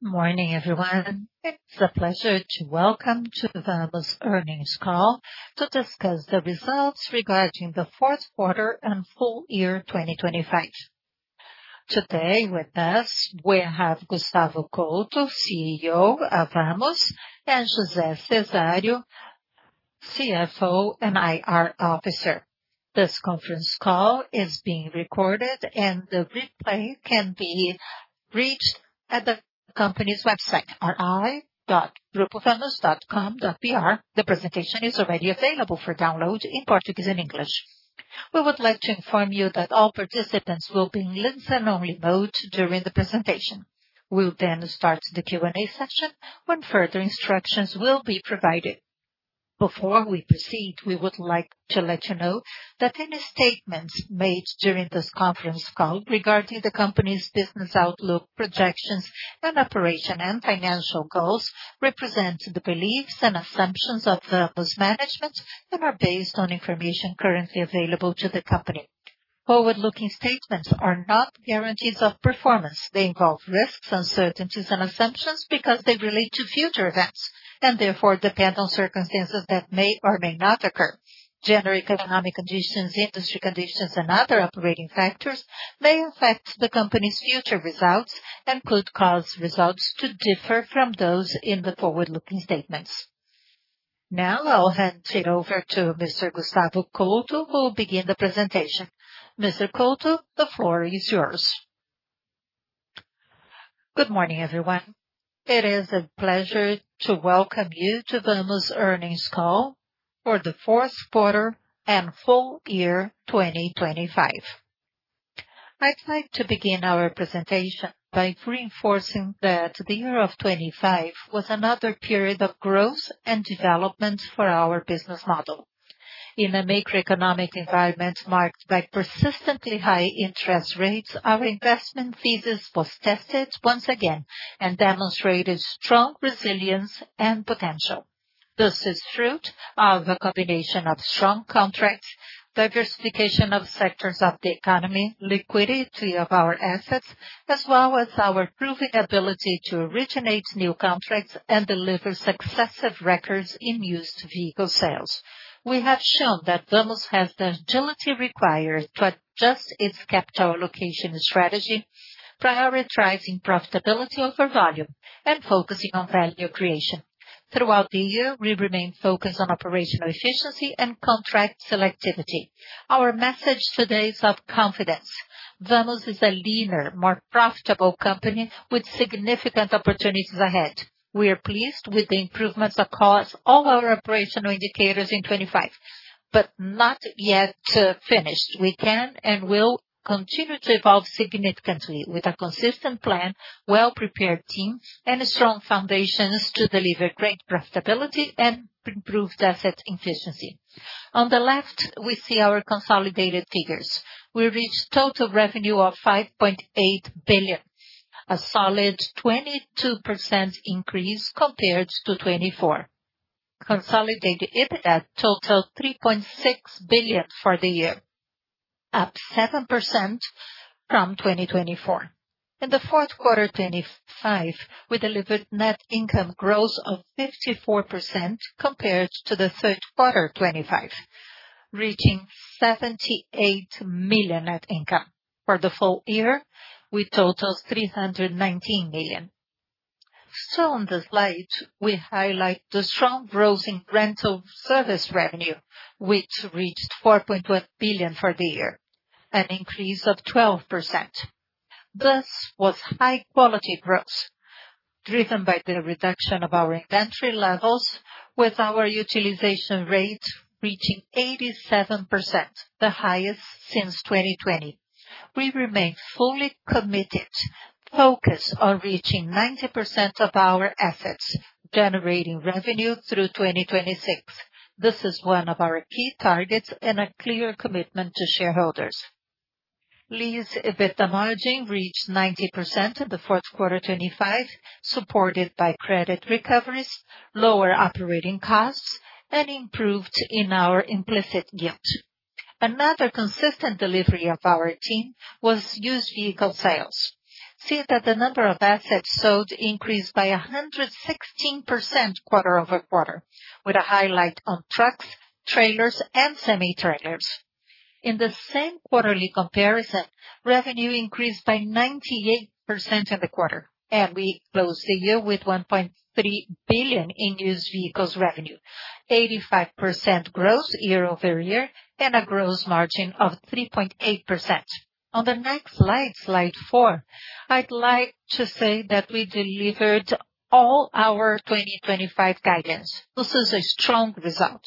Good morning, everyone. It's a pleasure to welcome you to the Vamos Earnings Call to discuss the results regarding the Q4 and full year 2025. Today with us, we have Gustavo Couto, CEO of Vamos, and José Cezário, CFO and IR Officer. This conference call is being recorded and the replay can be reached at the company's website, ri.grupovamos.com.br. The presentation is already available for download in Portuguese and English. We would like to inform you that all participants will be in listen-only mode during the presentation. We'll then start the Q&A session when further instructions will be provided. Before we proceed, we would like to let you know that any statements made during this conference call regarding the company's business outlook, projections, and operation and financial goals represent the beliefs and assumptions of Vamos management and are based on information currently available to the company. Forward-looking statements are not guarantees of performance. They involve risks, uncertainties, and assumptions because they relate to future events and therefore depend on circumstances that may or may not occur. Generic economic conditions, industry conditions, and other operating factors may affect the company's future results and could cause results to differ from those in the forward-looking statements. Now I'll hand it over to Mr. Gustavo Couto, who will begin the presentation. Mr. Couto, the floor is yours. Good morning, everyone. It is a pleasure to welcome you to Vamos Earnings Call for the Q4 and full year 2025. I'd like to begin our presentation by reinforcing that the year of 2025 was another period of growth and development for our business model. In a macroeconomic environment marked by persistently high interest rates, our investment thesis was tested once again and demonstrated strong resilience and potential. This is the fruit of a combination of strong contracts, diversification of sectors of the economy, liquidity of our assets, as well as our proven ability to originate new contracts and deliver successive records in used vehicle sales. We have shown that Vamos has the agility required to adjust its capital allocation strategy, prioritizing profitability over volume and focusing on value creation. Throughout the year, we remain focused on operational efficiency and contract selectivity. Our message today is of confidence. Vamos is a leaner, more profitable company with significant opportunities ahead. We are pleased with the improvements across all our operational indicators in 2025, but not yet finished. We can and will continue to evolve significantly with a consistent plan, well-prepared team, and strong foundations to deliver great profitability and improved asset efficiency. On the left, we see our consolidated figures. We reached total revenue of 5.8 billion, a solid 22% increase compared to 2024. Consolidated EBITDA totaled 3.6 billion for the year, up 7% from 2024. In the Q4 2025, we delivered net income growth of 54% compared to the Q3 2025, reaching 78 million net income. For the full year, we totaled 319 million. On the slide, we highlight the strong growth in rental service revenue, which reached 4.1 billion for the year, an increase of 12%. This was high-quality growth driven by the reduction of our inventory levels, with our utilization rate reaching 87%, the highest since 2020. We remain fully committed, focused on reaching 90% of our assets, generating revenue through 2026. This is one of our key targets and a clear commitment to shareholders. Lease EBITDA margin reached 90% in the Q4 2025, supported by credit recoveries, lower operating costs, and improvement in our implicit yield. Another consistent delivery of our team was used vehicle sales. See that the number of assets sold increased by 116% quarter-over-quarter, with a highlight on trucks, trailers, and semi-trailers. In the same quarterly comparison, revenue increased by 98% in the quarter, and we closed the year with 1.3 billion in used vehicles revenue, 85% growth year-over-year, and a gross margin of 3.8%. On the next slide four, I'd like to say that we delivered all our 2025 guidance. This is a strong result.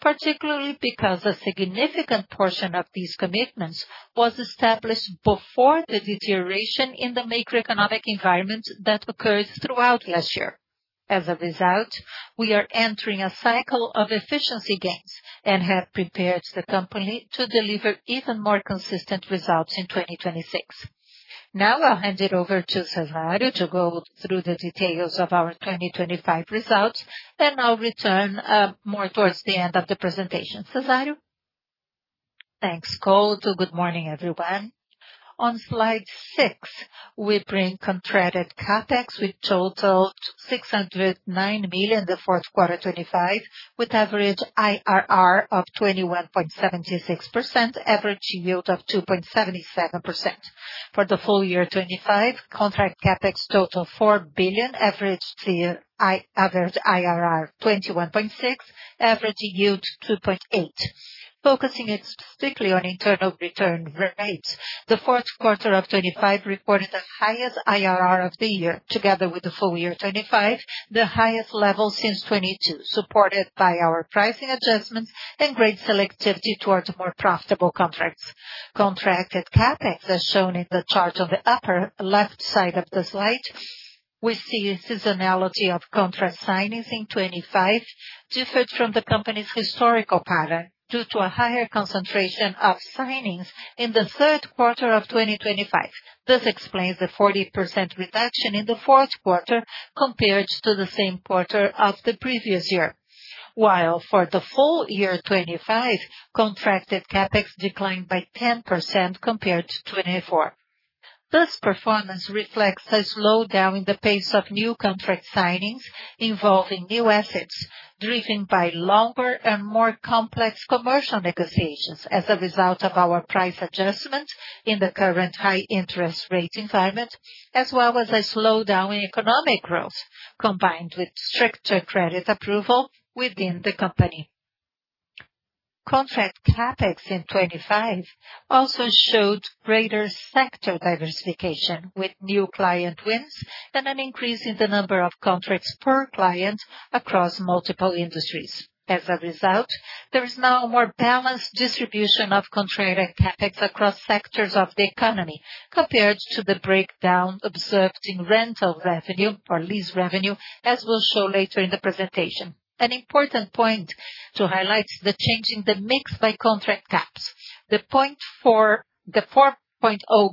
Particularly because a significant portion of these commitments was established before the deterioration in the macroeconomic environment that occurred throughout last year. As a result, we are entering a cycle of efficiency gains and have prepared the company to deliver even more consistent results in 2026. Now I'll hand it over to Cezário to go through the details of our 2025 results, and I'll return more towards the end of the presentation. Cezário? Thanks, Couto. Good morning, everyone. On slide six, we bring contracted CapEx with total 609 million, the Q4 2025, with average IRR of 21.76%, average yield of 2.77%. For the full year 2025, contracted CapEx total 4 billion, average IRR 21.6%, average yield 2.8%. Focusing specifically on internal return rates, the Q4 of 2025 reported the highest IRR of the year. Together with the full year 2025, the highest level since 2022, supported by our pricing adjustments and great selectivity towards more profitable contracts. Contracted CapEx, as shown in the chart on the upper left side of the slide, we see a seasonality of contract signings in 2025 differed from the company's historical pattern due to a higher concentration of signings in the Q3 of 2025. This explains the 40% reduction in the Q4 compared to the same quarter of the previous year. While for the full year 2025, contracted CapEx declined by 10% compared to 2024. This performance reflects a slowdown in the pace of new contract signings involving new assets, driven by longer and more complex commercial negotiations as a result of our price adjustment in the current high interest rate environment, as well as a slowdown in economic growth, combined with stricter credit approval within the company. Contract CapEx in 2025 also showed greater sector diversification, with new client wins and an increase in the number of contracts per client across multiple industries. As a result, there is now a more balanced distribution of contracted CapEx across sectors of the economy compared to the breakdown observed in rental revenue or lease revenue, as we'll show later in the presentation. An important point to highlight is the change in the mix by contract caps. The 4.0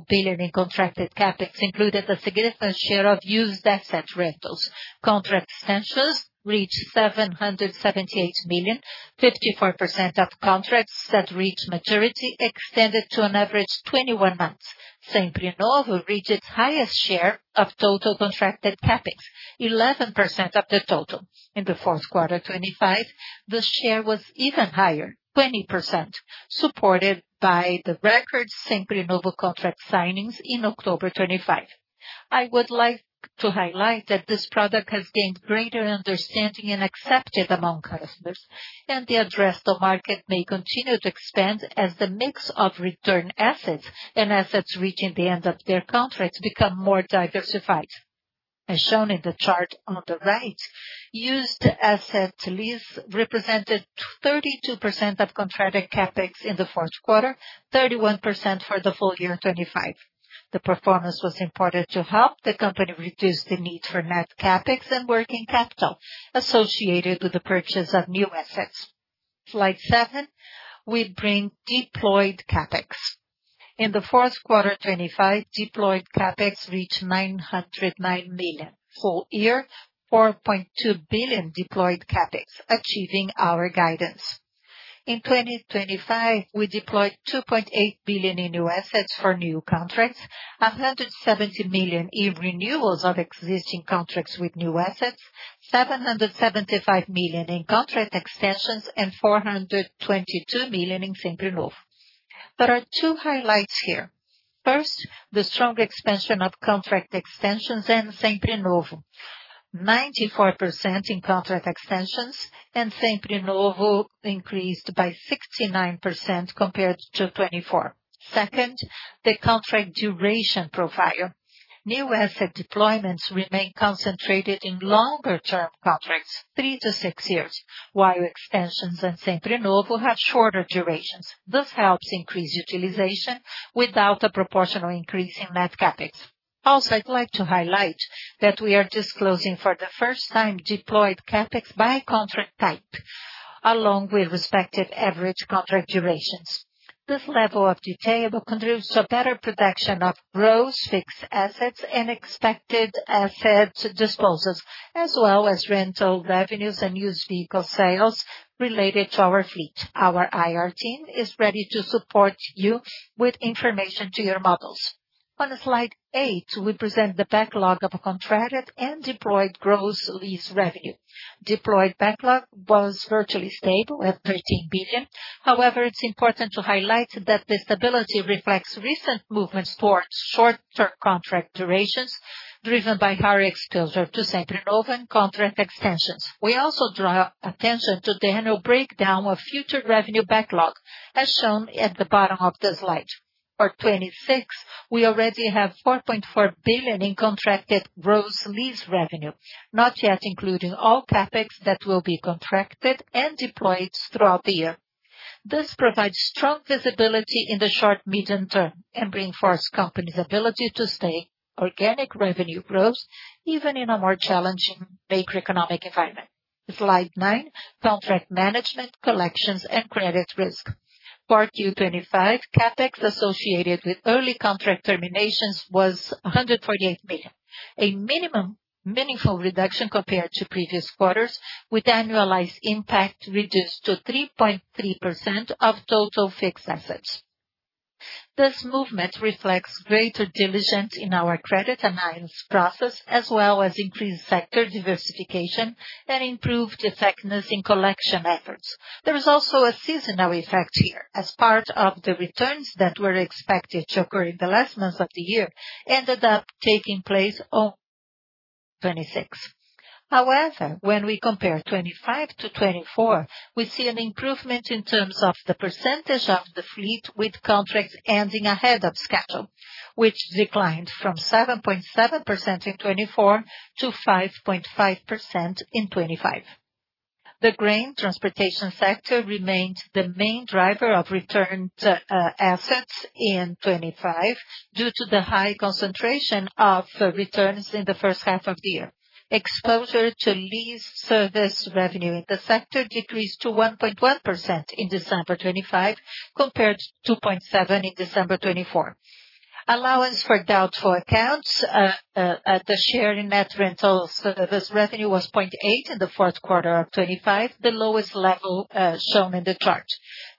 billion in contracted CapEx included a significant share of used asset rentals. Contract essentials reached 778 million. 54% of contracts that reached maturity extended to an average 21 months. Sempre Novo reached its highest share of total contracted CapEx, 11% of the total. In the Q4 2025, the share was even higher, 20%, supported by the record Sempre Novo contract signings in October 2025. I would like to highlight that this product has gained greater understanding and acceptance among customers, and the addressable market may continue to expand as the mix of return assets and assets reaching the end of their contracts become more diversified. As shown in the chart on the right, used asset lease represented 32% of contracted CapEx in the Q4, 31% for the full year 2025. The performance was important to help the company reduce the need for net CapEx and working capital associated with the purchase of new assets. Slide seven, we bring deployed CapEx. In the Q4 2025, deployed CapEx reached 909 million. For the whole year, 4.2 billion deployed CapEx, achieving our guidance. In 2025, we deployed 2.8 billion in new assets for new contracts, 170 million in renewals of existing contracts with new assets, 775 million in contract extensions, and 422 million in Sempre Novo. There are two highlights here. First, the strong expansion of contract extensions in Sempre Novo. 94% in contract extensions and Sempre Novo increased by 69% compared to 2024. Second, the contract duration profile. New asset deployments remain concentrated in longer-term contracts, three to six years, while extensions in Sempre Novo have shorter durations. This helps increase utilization without a proportional increase in net CapEx. Also, I'd like to highlight that we are disclosing for the first time deployed CapEx by contract type, along with respective average contract durations. This level of detail contributes to a better protection of gross fixed assets and expected asset disposals, as well as rental revenues and used vehicle sales related to our fleet. Our IR team is ready to support you with information to your models. On slide eight, we present the backlog of contracted and deployed gross lease revenue. Deployed backlog was virtually stable at 13 billion. However, it's important to highlight that the stability reflects recent movements towards short-term contract durations driven by higher exposure to Sempre Novo and contract extensions. We also draw attention to the annual breakdown of future revenue backlog, as shown at the bottom of the slide. For 2026, we already have 4.4 billion in contracted gross lease revenue, not yet including all CapEx that will be contracted and deployed throughout the year. This provides strong visibility in the short, medium term and reinforce company's ability to stay organic revenue growth even in a more challenging macroeconomic environment. Slide nine, contract management, collections, and credit risk. Q4 2025, CapEx associated with early contract terminations was 148 million. A meaningful reduction compared to previous quarters, with annualized impact reduced to 3.3% of total fixed assets. This movement reflects greater diligence in our credit analysis process, as well as increased sector diversification and improved effectiveness in collection efforts. There is also a seasonal effect here as part of the returns that were expected to occur in the last months of the year ended up taking place in 2026. However, when we compare 2025 to 2024, we see an improvement in terms of the percentage of the fleet with contracts ending ahead of schedule, which declined from 7.7% in 2024 to 5.5% in 2025. The grain transportation sector remained the main driver of returned assets in 2025 due to the high concentration of returns in the first half of the year. Exposure to lease service revenue in the sector decreased to 1.1% in December 2025, compared to 2.7% in December 2024. Allowance for Doubtful Accounts as a share in net rental service revenue was 0.8% in the Q4 of 2025, the lowest level shown in the chart.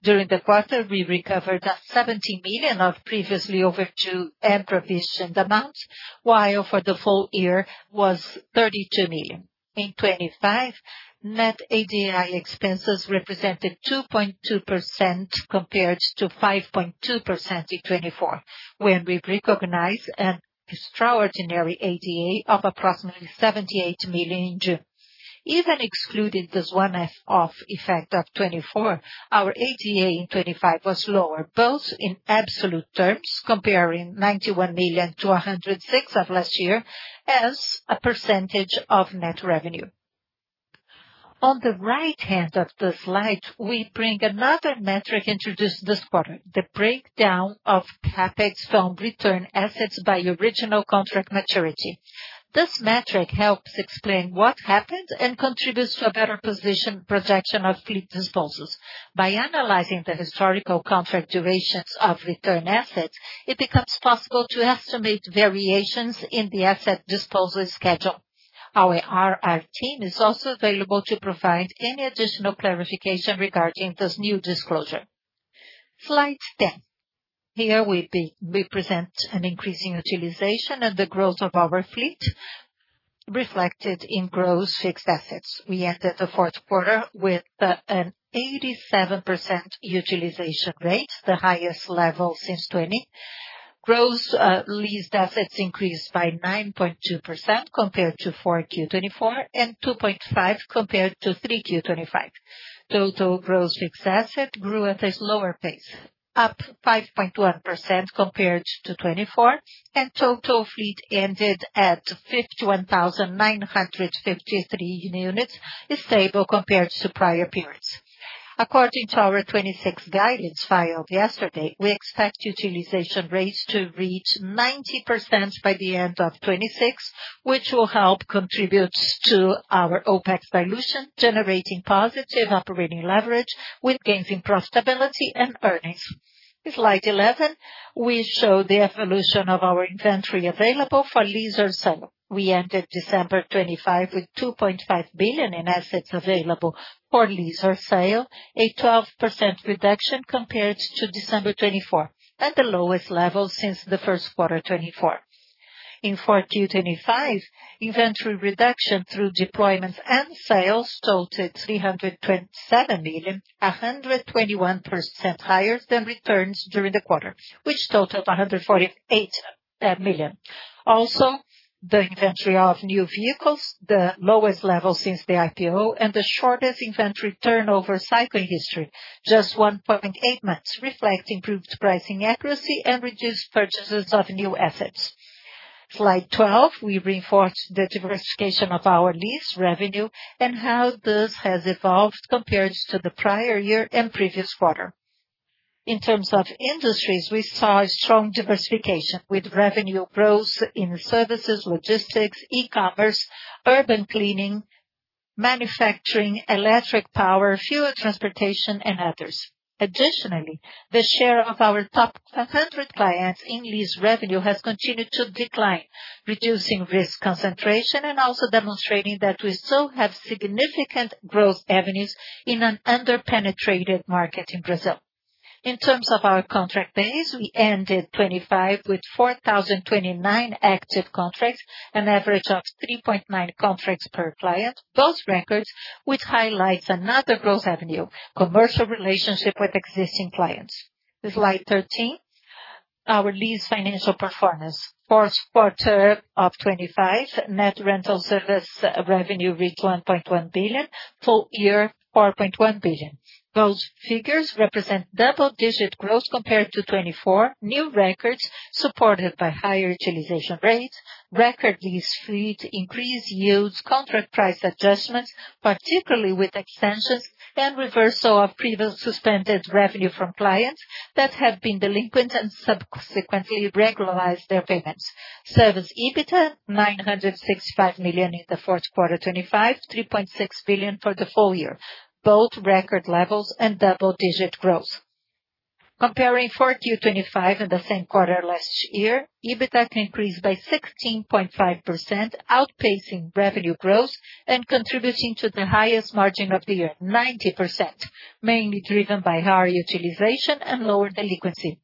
During the quarter, we recovered 70 million of previously overdue and provisioned amounts, while for the full year was 32 million. In 2025, net ADA expenses represented 2.2% compared to 5.2% in 2024, when we recognized an extraordinary ADA of approximately 78 million in June. Even excluding this one-off effect of 2024, our ADA in 2025 was lower, both in absolute terms, comparing 91 million to 106 million of last year, as a percentage of net revenue. On the right hand of the slide, we bring another metric introduced this quarter, the breakdown of CapEx from return assets by original contract maturity. This metric helps explain what happened and contributes to a better position projection of fleet disposals. By analyzing the historical contract durations of return assets, it becomes possible to estimate variations in the asset disposal schedule. Our IR team is also available to provide any additional clarification regarding this new disclosure. Slide 10. Here we present an increase in utilization and the growth of our fleet reflected in gross fixed assets. We ended the Q4 with an 87% utilization rate, the highest level since 2020. Gross leased assets increased by 9.2% compared to Q4 2024 and 2.5% compared to Q3 2025. Total gross fixed asset grew at a slower pace, up 5.1% compared to 2024, and total fleet ended at 51,953 units, stable compared to prior periods. According to our 2026 guidance filed yesterday, we expect utilization rates to reach 90% by the end of 2026, which will help contribute to our OpEx dilution, generating positive operating leverage with gains in profitability and earnings. Slide 11, we show the evolution of our inventory available for lease or sale. We ended December 2025 with 2.5 billion in assets available for lease or sale, a 12% reduction compared to December 2024, at the lowest level since the Q1 2024. In Q4 2025, inventory reduction through deployments and sales totaled 327 million, 121% higher than returns during the quarter, which totaled 148 million. Also, the inventory of new vehicles, the lowest level since the IPO and the shortest inventory turnover cycle in history, just 1.8 months, reflect improved pricing accuracy and reduced purchases of new assets. Slide 12, we reinforce the diversification of our lease revenue and how this has evolved compared to the prior year and previous quarter. In terms of industries, we saw a strong diversification with revenue growth in services, logistics, e-commerce, urban cleaning, manufacturing, electric power, fuel transportation and others. Additionally, the share of our top 100 clients in lease revenue has continued to decline, reducing risk concentration and also demonstrating that we still have significant growth avenues in an under-penetrated market in Brazil. In terms of our contract base, we ended 2025 with 4,029 active contracts, an average of 3.9 contracts per client. Those records which highlights another growth avenue, commercial relationship with existing clients. Slide 13, our lease financial performance. Q4 of 2025, net rental service revenue reached 1.1 billion, full year 4.1 billion. Those figures represent double-digit growth compared to 2024. New records supported by higher utilization rates, record lease fleet, increased yields, contract price adjustments, particularly with extensions and reversal of previous suspended revenue from clients that have been delinquent and subsequently regularized their payments. Service EBITDA, 965 million in the Q4 2025, 3.6 billion for the full year, both record levels and double-digit growth. Comparing Q4 2025 in the same quarter last year, EBITDA increased by 16.5%, outpacing revenue growth and contributing to the highest margin of the year, 90%, mainly driven by higher utilization and lower delinquency.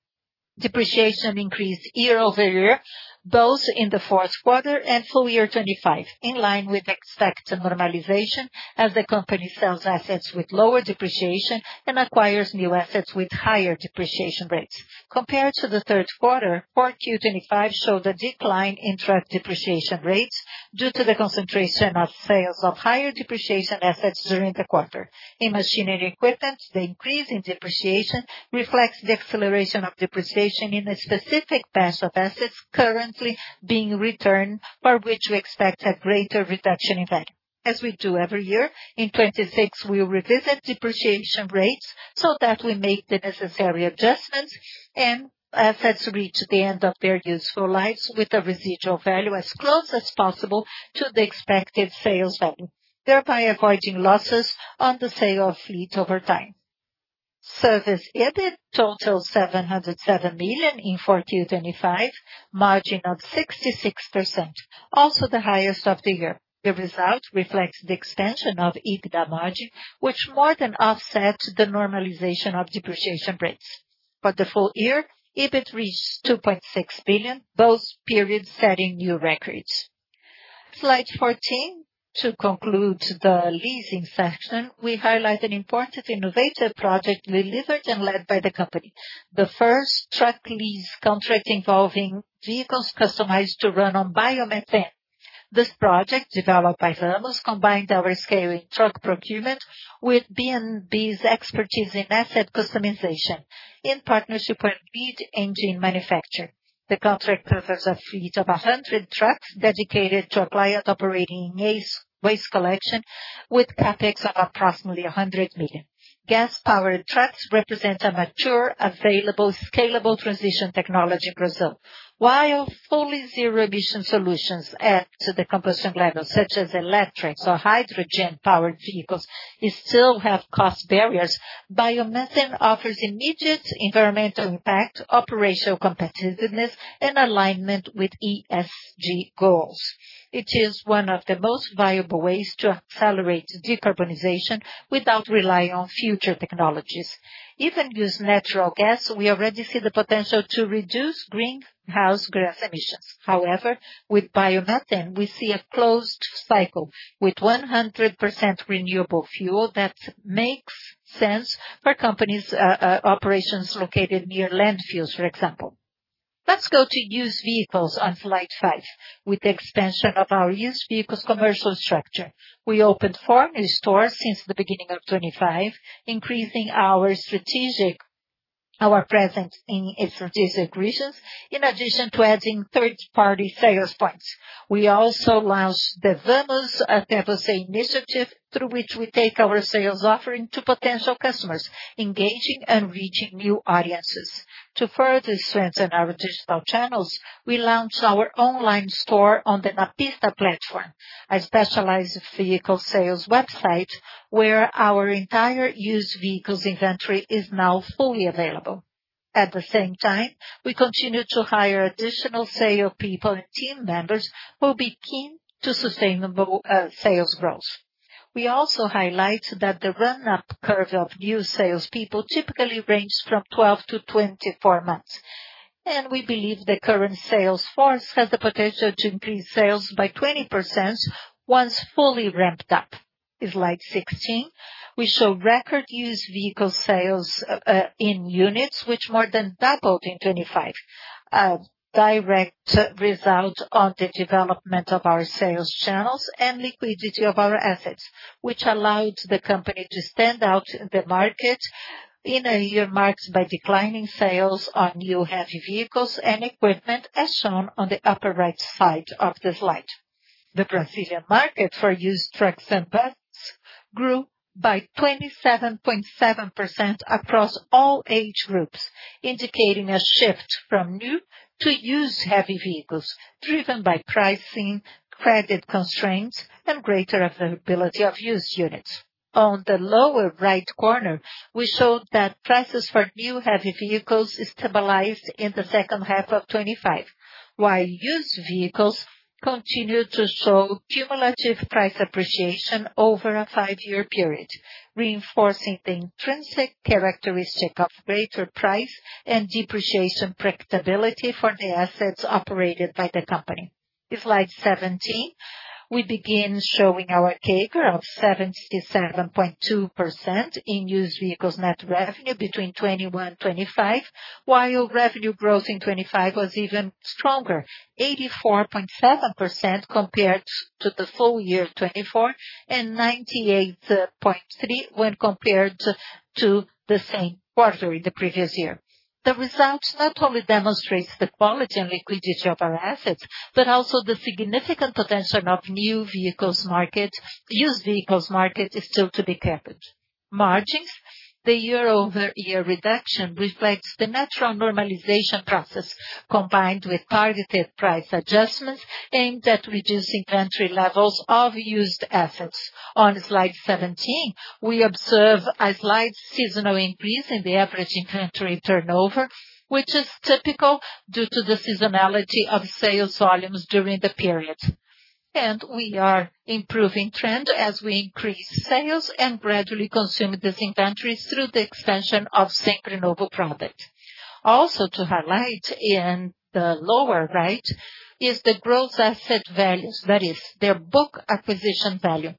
Depreciation increased year-over-year, both in the Q4 and full year 2025, in line with expected normalization as the company sells assets with lower depreciation and acquires new assets with higher depreciation rates. Compared to the Q3, Q4 2025 showed a decline in truck depreciation rates due to the concentration of sales of higher depreciation assets during the quarter. In machinery equipment, the increase in depreciation reflects the acceleration of depreciation in a specific batch of assets currently being returned, for which we expect a greater reduction effect. As we do every year, in 2026 we'll revisit depreciation rates so that we make the necessary adjustments and assets reach the end of their useful lives with a residual value as close as possible to the expected sales value, thereby avoiding losses on the sale of fleet over time. Service EBIT totaled 707 million in Q4 2025, margin of 66%, also the highest of the year. The result reflects the expansion of EBITDA margin, which more than offset the normalization of depreciation rates. For the full year, EBIT reached 2.6 billion, this period setting new records. Slide 14, to conclude the leasing section, we highlight an important innovative project delivered and led by the company. The first truck lease contract involving vehicles customized to run on biomethane. This project, developed by Vamos, combined our scaling truck procurement with BNDES's expertise in asset customization in partnership with leading engine manufacturer. The contract covers a fleet of 100 trucks dedicated to a client operating a solid waste collection with CapEx of approximately 100 million. Gas-powered trucks represent a mature, available, scalable transition technology in Brazil. While fully zero-emission solutions add to the combustion levels, such as electrics or hydrogen-powered vehicles, we still have cost barriers. Biomethane offers immediate environmental impact, operational competitiveness and alignment with ESG goals. It is one of the most viable ways to accelerate decarbonization without relying on future technologies. If they use natural gas, we already see the potential to reduce greenhouse gas emissions. However, with biomethane, we see a closed cycle with 100% renewable fuel that makes sense for companies' operations located near landfills, for example. Let's go to used vehicles on slide five. With the expansion of our used vehicles commercial structure, we opened four new stores since the beginning of 2025, increasing our presence in strategic regions, in addition to adding third-party sales points. We also launched the Vamos até Terceiros initiative, through which we take our sales offering to potential customers, engaging and reaching new audiences. To further strengthen our digital channels, we launched our online store on the NaPista platform, a specialized vehicle sales website where our entire used vehicles inventory is now fully available. At the same time, we continue to hire additional salespeople and team members who will be key to sustainable sales growth. We also highlight that the run-up curve of new salespeople typically ranges from 12 to 24 months, and we believe the current sales force has the potential to increase sales by 20% once fully ramped up. In slide 16, we show record used vehicle sales in units, which more than doubled in 2025. A direct result of the development of our sales channels and liquidity of our assets, which allowed the company to stand out in the market in a year marked by declining sales on new heavy vehicles and equipment, as shown on the upper right side of the slide. The Brazilian market for used trucks and vans grew by 27.7% across all age groups, indicating a shift from new to used heavy vehicles, driven by pricing, credit constraints, and greater availability of used units. On the lower right corner, we showed that prices for new heavy vehicles stabilized in the second half of 2025, while used vehicles continued to show cumulative price appreciation over a five year period, reinforcing the intrinsic characteristic of greater price and depreciation predictability for the assets operated by the company. In slide 17, we begin showing our CAGR of 77.2% in used vehicles net revenue between 2021 to 2025, while revenue growth in 2025 was even stronger, 84.7% compared to the full year of 2024 and 98.3% when compared to the same quarter in the previous year. The results not only demonstrates the quality and liquidity of our assets, but also the significant potential of new vehicles market, used vehicles market is still to be captured. Margins. The year-over-year reduction reflects the natural normalization process, combined with targeted price adjustments aimed at reducing inventory levels of used assets. On slide 17, we observe a slight seasonal increase in the average inventory turnover, which is typical due to the seasonality of sales volumes during the period. We are improving trend as we increase sales and gradually consume these inventories through the expansion of Sempre Novo product. Also, to highlight in the lower right is the gross asset values, that is, their book acquisition value.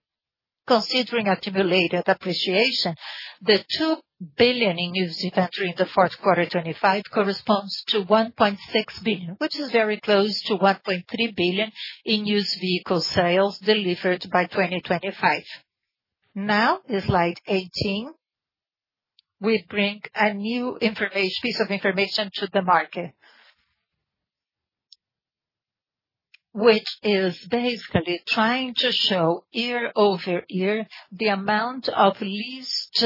Considering accumulated depreciation, the 2 billion in used inventory in the Q4 2025 corresponds to 1.6 billion, which is very close to 1.3 billion in used vehicle sales delivered by 2025. Now slide 18. We bring a new piece of information to the market, which is basically trying to show year-over-year the amount of leased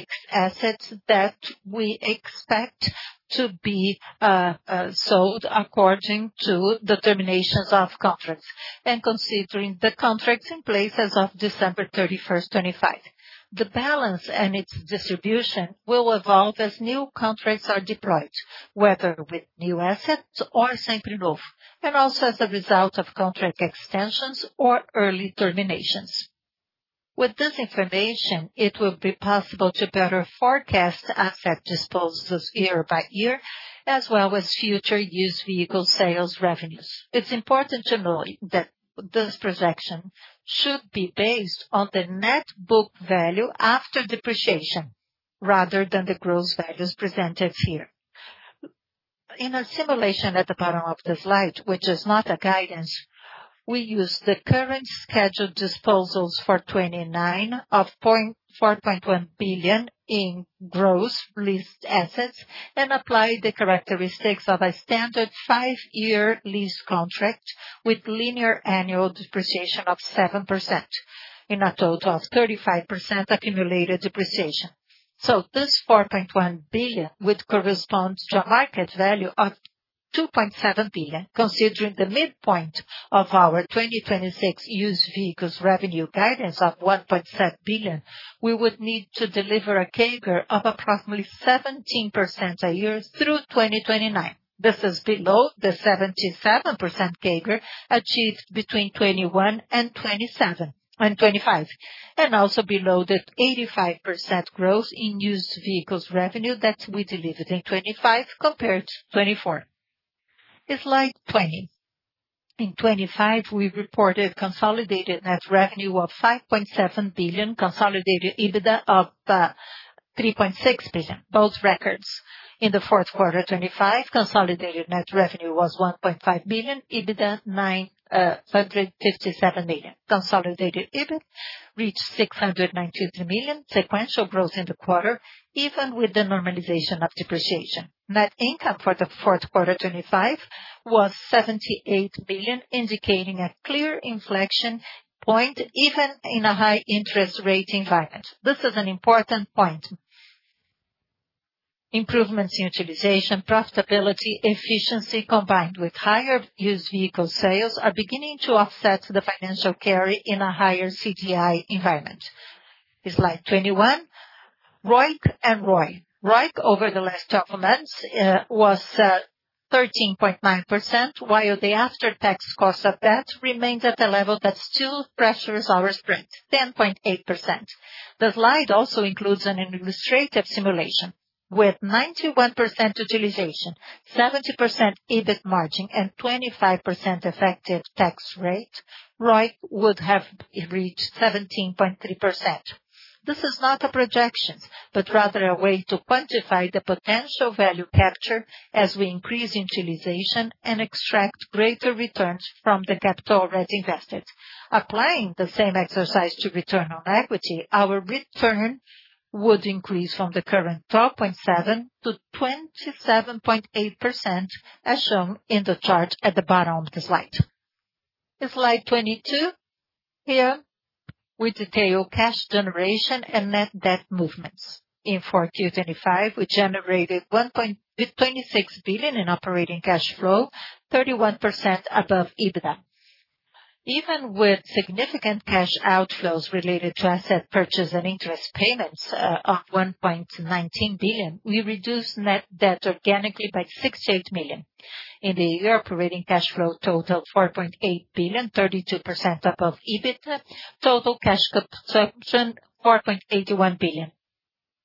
fixed assets that we expect to be sold according to the terminations of contracts and considering the contracts in place as of December 31st, 2025. The balance and its distribution will evolve as new contracts are deployed, whether with new assets or Sempre Novo, and also as a result of contract extensions or early terminations. With this information, it will be possible to better forecast asset disposals year by year, as well as future used vehicle sales revenues. It's important to note that this projection should be based on the net book value after depreciation rather than the gross values presented here. In a simulation at the bottom of the slide, which is not a guidance, we use the current scheduled disposals for 29% of 4.1 billion in gross leased assets and apply the characteristics of a standard five-year lease contract with linear annual depreciation of 7% in a total of 35% accumulated depreciation. This 4.1 billion would correspond to a market value of 2.7 billion. Considering the midpoint of our 2026 used vehicles revenue guidance of 1.7 billion, we would need to deliver a CAGR of approximately 17% a year through 2029. This is below the 77% CAGR achieved between 2021 and 2025, and also below the 85% growth in used vehicles revenue that we delivered in 2025 compared to 2024. Slide 20. In 2025, we reported consolidated net revenue of 5.7 billion, consolidated EBITDA of 3.6 billion, both records. In the Q4 2025, consolidated net revenue was 1.5 billion, EBITDA 957 million. Consolidated EBIT reached 693 million, sequential growth in the quarter, even with the normalization of depreciation. Net income for the Q4 2025 was 78 billion, indicating a clear inflection point even in a high interest rate environment. This is an important point. Improvements in utilization, profitability, efficiency, combined with higher used vehicle sales, are beginning to offset the financial carry in a higher CDI environment. Slide 21. ROIC and ROI. ROIC over the last 12 months was 13.9%, while the after-tax cost of debt remains at a level that still pressures our spread, 10.8%. The slide also includes an illustrative simulation with 91% utilization, 70% EBIT margin, and 25% effective tax rate, ROIC would have reached 17.3%. This is not a projection, but rather a way to quantify the potential value capture as we increase utilization and extract greater returns from the capital already invested. Applying the same exercise to return on equity, our return would increase from the current 12.7% to 27.8%, as shown in the chart at the bottom of the slide. In slide 22, here we detail cash generation and net debt movements. In Q4 2025, we generated 1.26 billion in operating cash flow, 31% above EBITDA. Even with significant cash outflows related to asset purchase and interest payments of 1.19 billion, we reduced net debt organically by 68 million. In the year, operating cash flow totaled 4.8 billion, 32% above EBIT. Total cash consumption, 4.81 billion,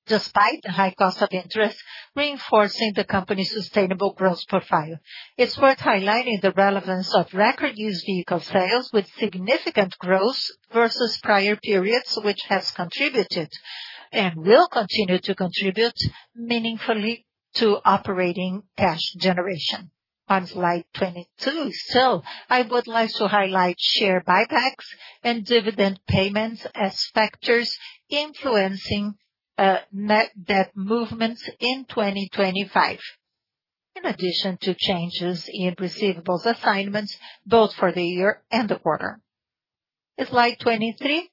despite the high cost of interest, reinforcing the company's sustainable growth profile. It's worth highlighting the relevance of record used vehicle sales with significant growth versus prior periods, which has contributed and will continue to contribute meaningfully to operating cash generation. On slide 22 still, I would like to highlight share buybacks and dividend payments as factors influencing net debt movements in 2025, in addition to changes in receivables assignments both for the year and the quarter. Slide 23.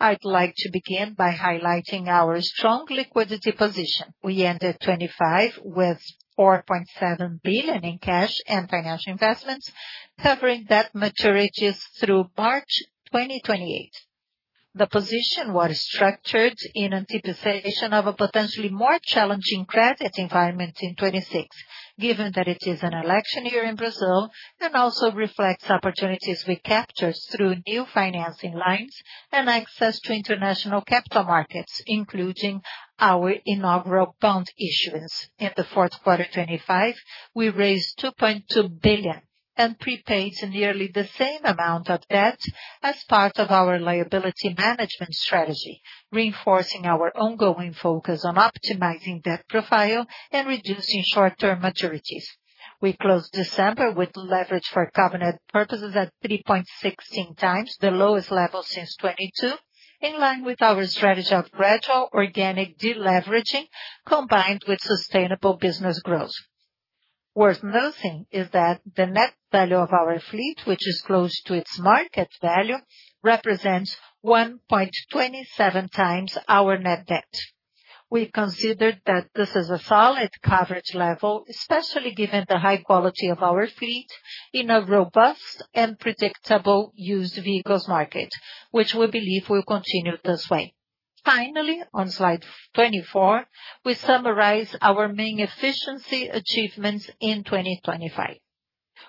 I'd like to begin by highlighting our strong liquidity position. We ended 2025 with 4.7 billion in cash and financial investments covering debt maturities through March 2028. The position was structured in anticipation of a potentially more challenging credit environment in 2026, given that it is an election year in Brazil, and also reflects opportunities we captured through new financing lines and access to international capital markets, including our inaugural bond issuance. In the Q4 2025, we raised 2.2 billion and prepaid nearly the same amount of debt as part of our liability management strategy, reinforcing our ongoing focus on optimizing debt profile and reducing short-term maturities. We closed December with leverage for covenant purposes at 3.16 times the lowest level since 2022, in line with our strategy of gradual organic deleveraging combined with sustainable business growth. Worth noting is that the net value of our fleet, which is close to its market value, represents 1.27x our net debt. We considered that this is a solid coverage level, especially given the high quality of our fleet in a robust and predictable used vehicles market, which we believe will continue this way. Finally, on slide 24, we summarize our main efficiency achievements in 2025.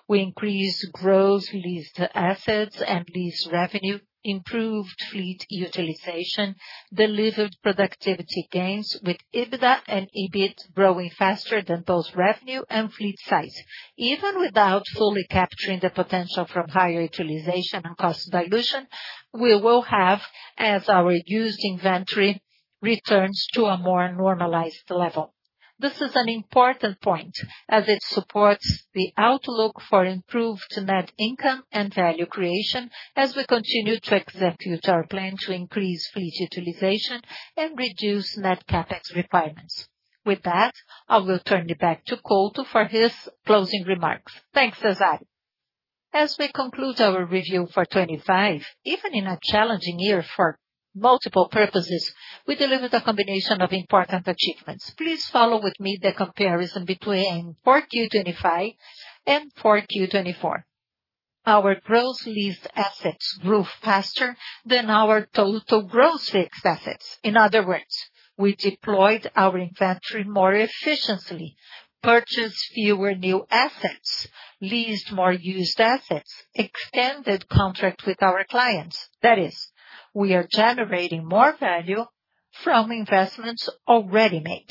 We increased gross leased assets and lease revenue, improved fleet utilization, delivered productivity gains with EBITDA and EBIT growing faster than both revenue and fleet size, even without fully capturing the potential from higher utilization and cost dilution we will have as our used inventory returns to a more normalized level. This is an important point as it supports the outlook for improved net income and value creation as we continue to execute our plan to increase fleet utilization and reduce net CapEx requirements. With that, I will turn it back to Couto for his closing remarks. Thanks, Cezário. As we conclude our review for 2025, even in a challenging year for multiple purposes, we delivered a combination of important achievements. Please follow with me the comparison between Q4 2025 and Q4 2024. Our gross leased assets grew faster than our total gross fixed assets. In other words, we deployed our inventory more efficiently, purchased fewer new assets, leased more used assets, extended contract with our clients. That is, we are generating more value from investments already made.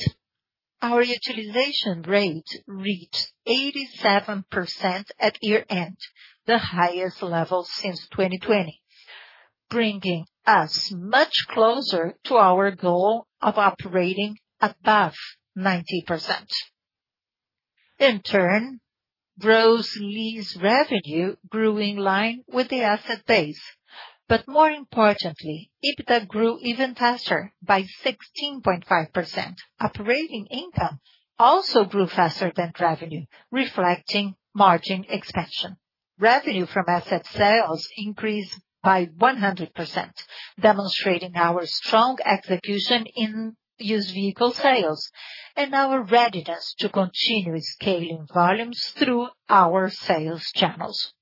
Our utilization rate reached 87% at year-end, the highest level since 2020, bringing us much closer to our goal of operating above 90%. In turn, gross lease revenue grew in line with the asset base, but more importantly, EBITDA grew even faster by 16.5%. Operating income also grew faster than revenue, reflecting margin expansion. Revenue from asset sales increased by 100%, demonstrating our strong execution in used vehicle sales and our readiness to continue scaling volumes through our sales channels.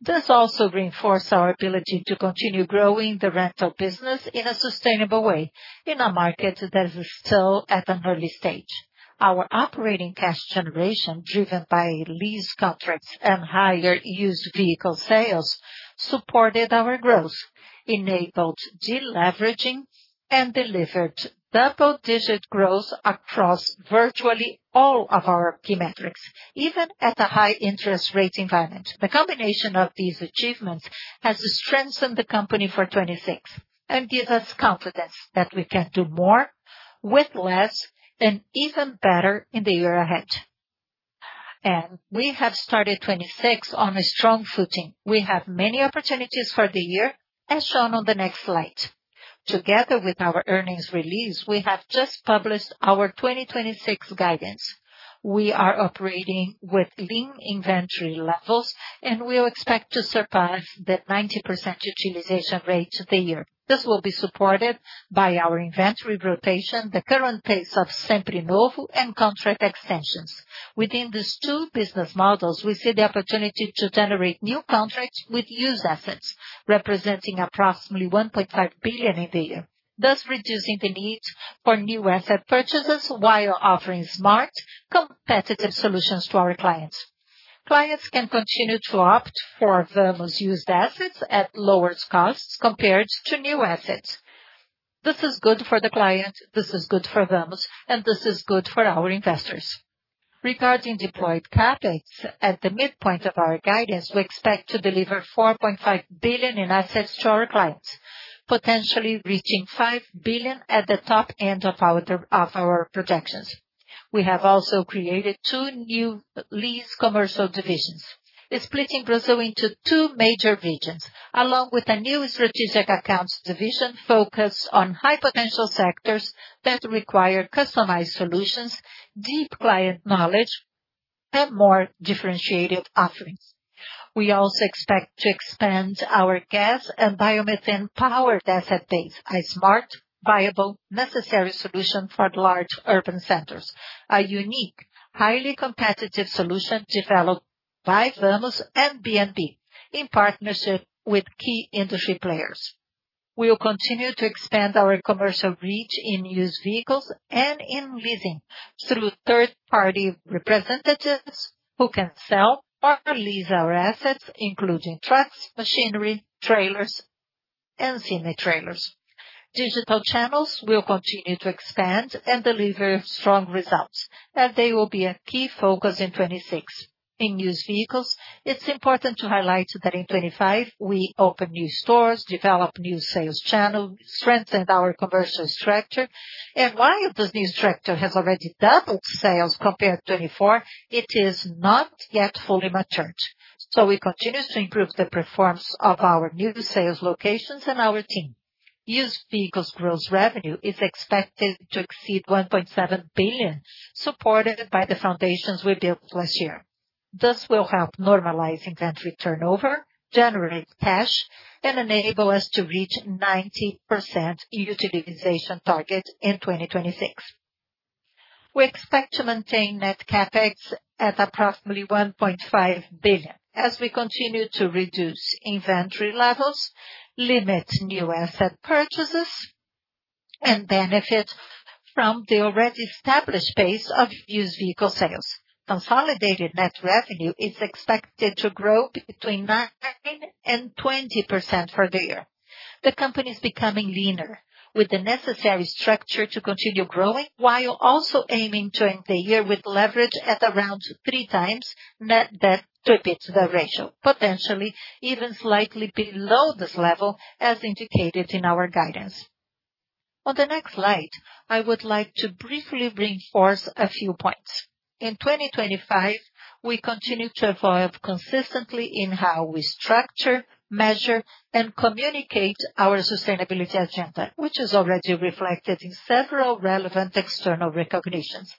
This also reinforced our ability to continue growing the rental business in a sustainable way in a market that is still at an early stage. Our operating cash generation, driven by lease contracts and higher used vehicle sales, supported our growth, enabled deleveraging, and delivered double-digit growth across virtually all of our key metrics, even in a high interest rate environment. The combination of these achievements has strengthened the company for 2026 and gives us confidence that we can do more with less and even better in the year ahead. We have started 2026 on a strong footing. We have many opportunities for the year as shown on the next slide. Together with our earnings release, we have just published our 2026 guidance. We are operating with lean inventory levels, and we expect to surpass the 90% utilization rate for the year. This will be supported by our inventory rotation, the current pace of Sempre Novo and contract extensions. Within these two business models, we see the opportunity to generate new contracts with used assets, representing approximately 1.5 billion in the year, thus reducing the need for new asset purchases while offering smart, competitive solutions to our clients. Clients can continue to opt for Vamos used assets at lower costs compared to new assets. This is good for the client, this is good for Vamos, and this is good for our investors. Regarding deployed CapEx, at the midpoint of our guidance, we expect to deliver 4.5 billion in assets to our clients, potentially reaching 5 billion at the top end of our projections. We have also created two new lease commercial divisions, splitting Brazil into two major regions, along with a new strategic accounts division focused on high-potential sectors that require customized solutions, deep client knowledge and more differentiated offerings. We also expect to expand our gas and biomethane power asset base, a smart, viable, necessary solution for large urban centers. A unique, highly competitive solution developed by Vamos and BNDES in partnership with key industry players. We will continue to expand our commercial reach in used vehicles and in leasing through third-party representatives who can sell or lease our assets, including trucks, machinery, trailers, and semi-trailers. Digital channels will continue to expand and deliver strong results, and they will be a key focus in 2026. In used vehicles, it's important to highlight that in 2025 we opened new stores, developed new sales channels, strengthened our commercial structure. While this new structure has already doubled sales compared to 2024, it is not yet fully matured. We continue to improve the performance of our new sales locations and our team. Used vehicles gross revenue is expected to exceed 1.7 billion, supported by the foundations we built last year. This will help normalize inventory turnover, generate cash, and enable us to reach 90% utilization target in 2026. We expect to maintain net CapEx at approximately 1.5 billion as we continue to reduce inventory levels, limit new asset purchases, and benefit from the already established base of used vehicle sales. Consolidated net revenue is expected to grow between 9% and 20% for the year. The company is becoming leaner with the necessary structure to continue growing, while also aiming to end the year with leverage at around 3x net debt to EBITDA ratio, potentially even slightly below this level as indicated in our guidance. On the next slide, I would like to briefly reinforce a few points. In 2025, we continue to evolve consistently in how we structure, measure, and communicate our sustainability agenda, which is already reflected in several relevant external recognitions.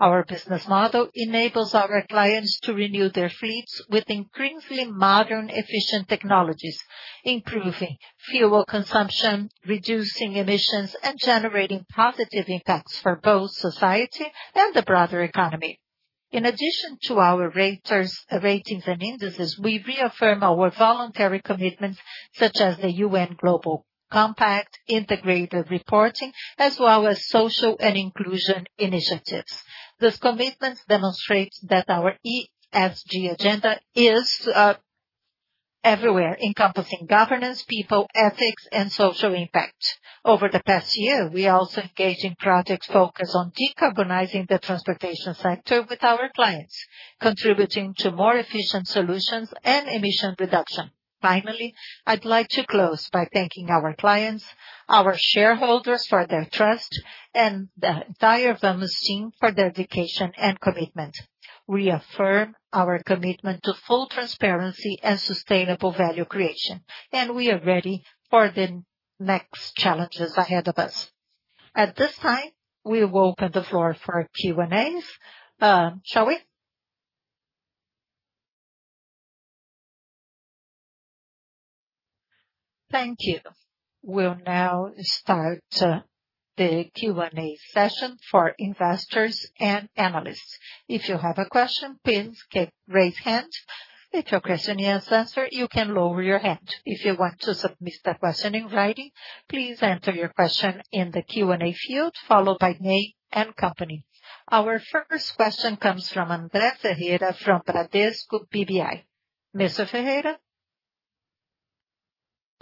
Our business model enables our clients to renew their fleets with increasingly modern, efficient technologies, improving fuel consumption, reducing emissions, and generating positive impacts for both society and the broader economy. In addition to our ratings and indices, we reaffirm our voluntary commitments such as the UN Global Compact, integrated reporting, as well as social and inclusion initiatives. These commitments demonstrate that our ESG agenda is everywhere, encompassing governance, people, ethics, and social impact. Over the past year, we also engaged in projects focused on decarbonizing the transportation sector with our clients, contributing to more efficient solutions and emission reduction. Finally, I'd like to close by thanking our clients, our shareholders for their trust, and the entire Vamos team for their dedication and commitment. We affirm our commitment to full transparency and sustainable value creation, and we are ready for the next challenges ahead of us. At this time, we will open the floor for Q&As. Shall we? Thank you. We'll now start the Q&A session for Investors and Analysts. If you have a question, please click raise hand. If your question is answered, you can lower your hand. If you want to submit a question in writing, please enter your question in the Q&A field, followed by name and company. Our first question comes from André Ferreira from Bradesco BBI. Mr. Ferreira.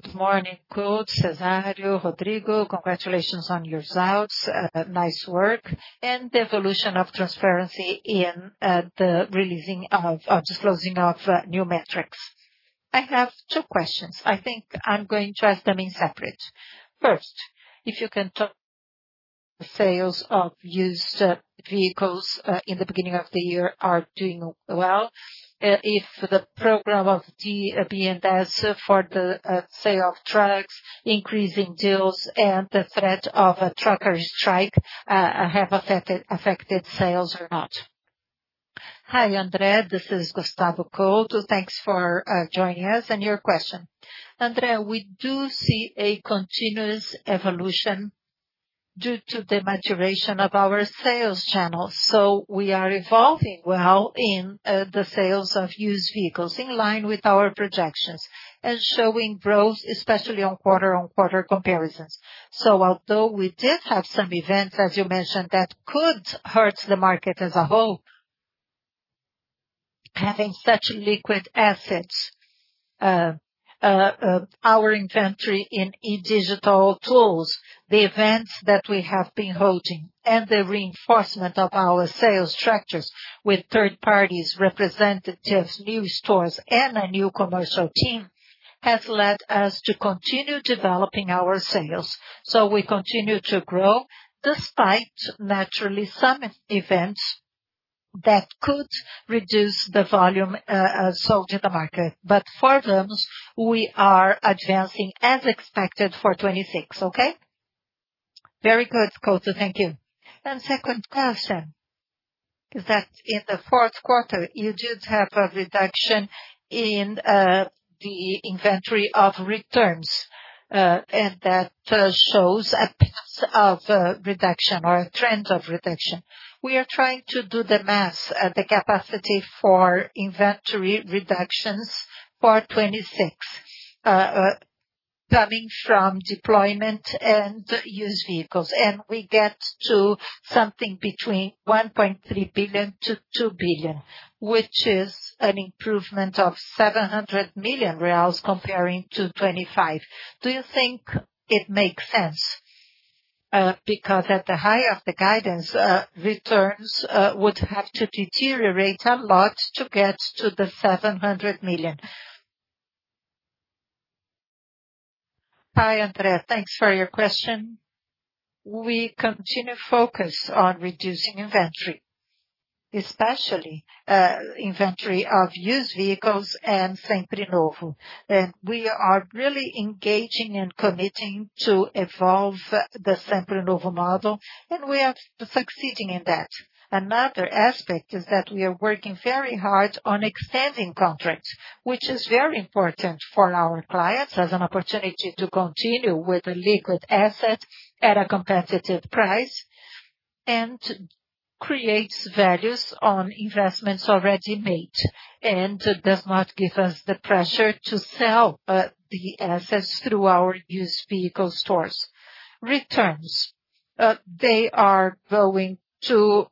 Good morning, Couto, Cezário, Rodrigo. Congratulations on your results. Nice work and the evolution of transparency in the releasing of, or disclosing of, new metrics. I have two questions. I think I'm going to ask them separately. First, if you can talk sales of used vehicles in the beginning of the year are doing well, if the program of the BNDES for the sale of trucks, increasing deals and the threat of a trucker strike have affected sales or not. Hi, André, this is Gustavo Couto. Thanks for joining us and your question. André, we do see a continuous evolution due to the maturation of our sales channels. We are evolving well in the sales of used vehicles in line with our projections and showing growth, especially on quarter-on-quarter comparisons. Although we did have some events, as you mentioned, that could hurt the market as a whole, having such liquid assets, our inventory in e-digital tools, the events that we have been holding and the reinforcement of our sales structures with third parties, representatives, new stores, and a new commercial team, has led us to continue developing our sales. We continue to grow despite naturally some events that could reduce the volume sold to the market. For Vamos, we are advancing as expected for 2026. Okay? Very good, Couto. Thank you. Second question is that in the Q4, you did have a reduction in the inventory of returns, and that shows a piece of reduction or a trend of reduction. We are trying to do the math at the capacity for inventory reductions for 2026, coming from deployment and used vehicles, and we get to something between 1.3 billion to 2 billion, which is an improvement of 700 million reais comparing to 2025. Do you think it makes sense? Because at the high of the guidance, returns would have to deteriorate a lot to get to the 700 million. Hi, André Ferreira. Thanks for your question. We continue to focus on reducing inventory, especially inventory of used vehicles and Sempre Novo. We are really engaging and committing to evolve the Sempre Novo model, and we are succeeding in that. Another aspect is that we are working very hard on extending contracts, which is very important for our clients as an opportunity to continue with the liquid asset at a competitive price and creates values on investments already made and does not give us the pressure to sell the assets through our used vehicle stores. Returns, they are going to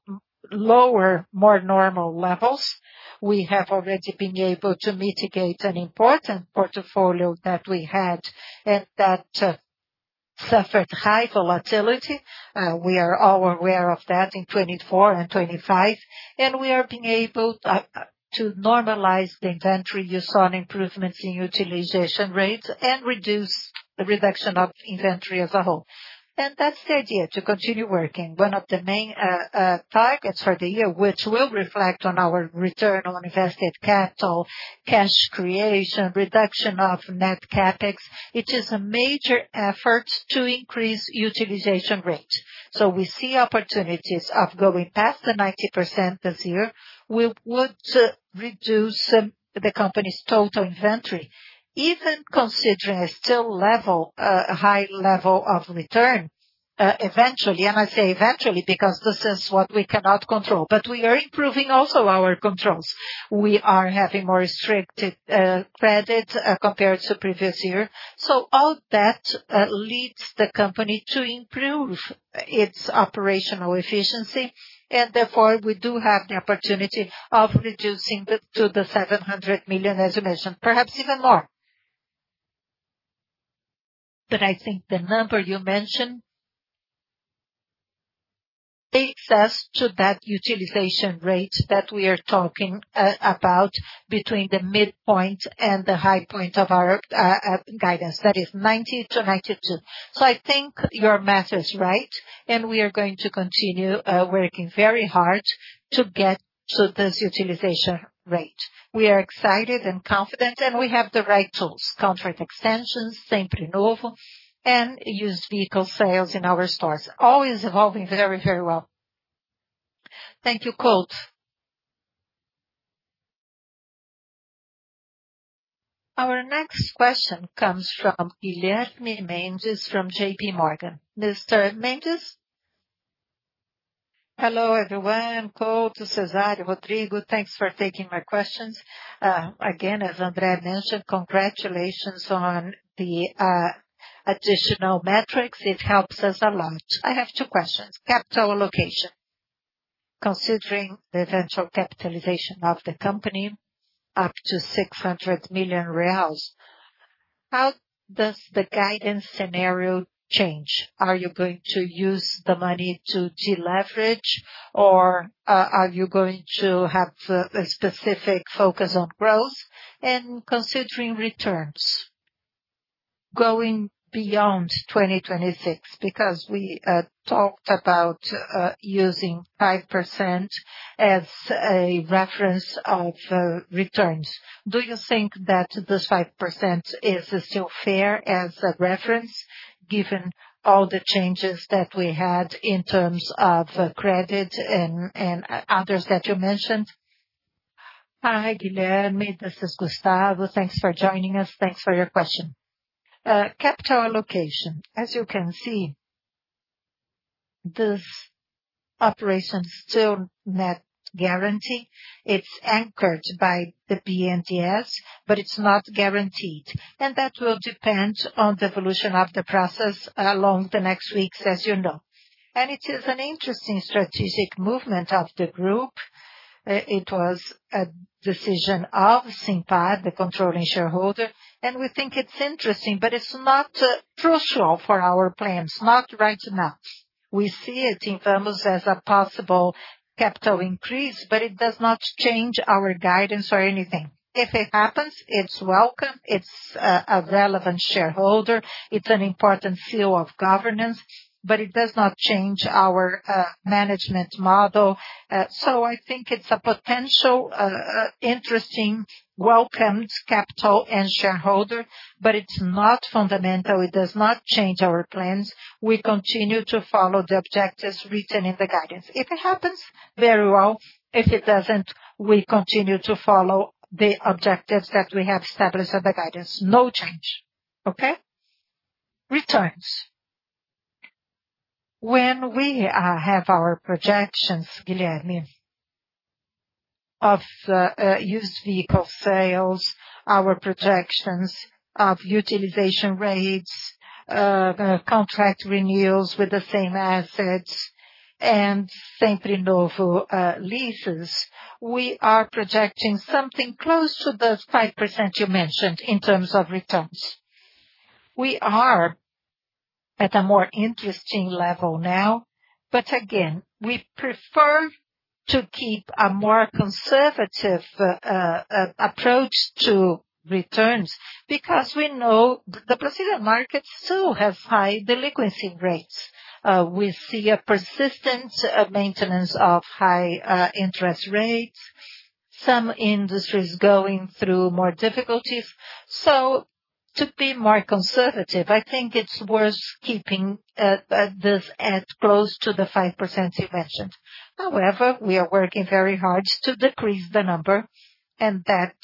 lower, more normal levels. We have already been able to mitigate an important portfolio that we had and that suffered high volatility. We are all aware of that in 2024 and 2025, and we are being able to normalize the inventory. You saw improvements in utilization rates and reduce the reduction of inventory as a whole. That's the idea, to continue working. One of the main targets for the year, which will reflect on our return on invested capital, cash creation, reduction of net CapEx, it is a major effort to increase utilization rate. We see opportunities of going past the 90% this year. We would reduce the company's total inventory, even considering a still level, high level of return, eventually, and I say eventually because this is what we cannot control. We are improving also our controls. We are having more restricted credit compared to previous year. All that leads the company to improve its operational efficiency, and therefore we do have the opportunity of reducing it to the 700 million, as you mentioned, perhaps even more. I think the number you mentioned takes us to that utilization rate that we are talking about between the midpoint and the high point of our guidance. That is 90% to 92%. I think your math is right and we are going to continue working very hard to get to this utilization rate. We are excited and confident, and we have the right tools, contract extensions, Sempre Novo and used vehicle sales in our stores, all is evolving very, very well. Thank you, Couto. Our next question comes from Guilherme Mendes from JPMorgan. Mr. Mendes? Hello, everyone. Couto, Cezário, Rodrigo, thanks for taking my questions. Again, as André mentioned, congratulations on the additional metrics. It helps us a lot. I have two questions. Capital allocation. Considering the eventual capitalization of the company up to 600 million reais, how does the guidance scenario change? Are you going to use the money to deleverage, or are you going to have a specific focus on growth? Considering returns going beyond 2026, because we talked about using 5% as a reference of returns. Do you think that this 5% is still fair as a reference, given all the changes that we had in terms of credit and others that you mentioned? Hi, Guilherme. This is Gustavo. Thanks for joining us. Thanks for your question. Capital allocation. As you can see, this operation still not guaranteed. It's anchored by the BNDES, but it's not guaranteed. That will depend on the evolution of the process along the next weeks, as you know. It is an interesting strategic movement of the group. It was a decision of Simpar, the controlling shareholder, and we think it's interesting, but it's not crucial for our plans, not right now. We see it in terms of a possible capital increase, but it does not change our guidance or anything. If it happens, it's welcome. It's a relevant shareholder. It's an important seal of governance, but it does not change our management model. I think it's a potential, interesting, welcomed capital and shareholder. It's not fundamental. It does not change our plans. We continue to follow the objectives written in the guidance. If it happens, very well. If it doesn't, we continue to follow the objectives that we have established at the guidance. No change. Okay? Returns. When we have our projections, Guilherme, of used vehicle sales, our projections of utilization rates, contract renewals with the same assets and Sempre Novo leases, we are projecting something close to the 5% you mentioned in terms of returns. We are at a more interesting level now, but again, we prefer to keep a more conservative approach to returns because we know the Brazilian market still have high delinquency rates. We see a persistent maintenance of high interest rates, some industries going through more difficulties. To be more conservative, I think it's worth keeping this at close to the 5% you mentioned. However, we are working very hard to decrease the number, and that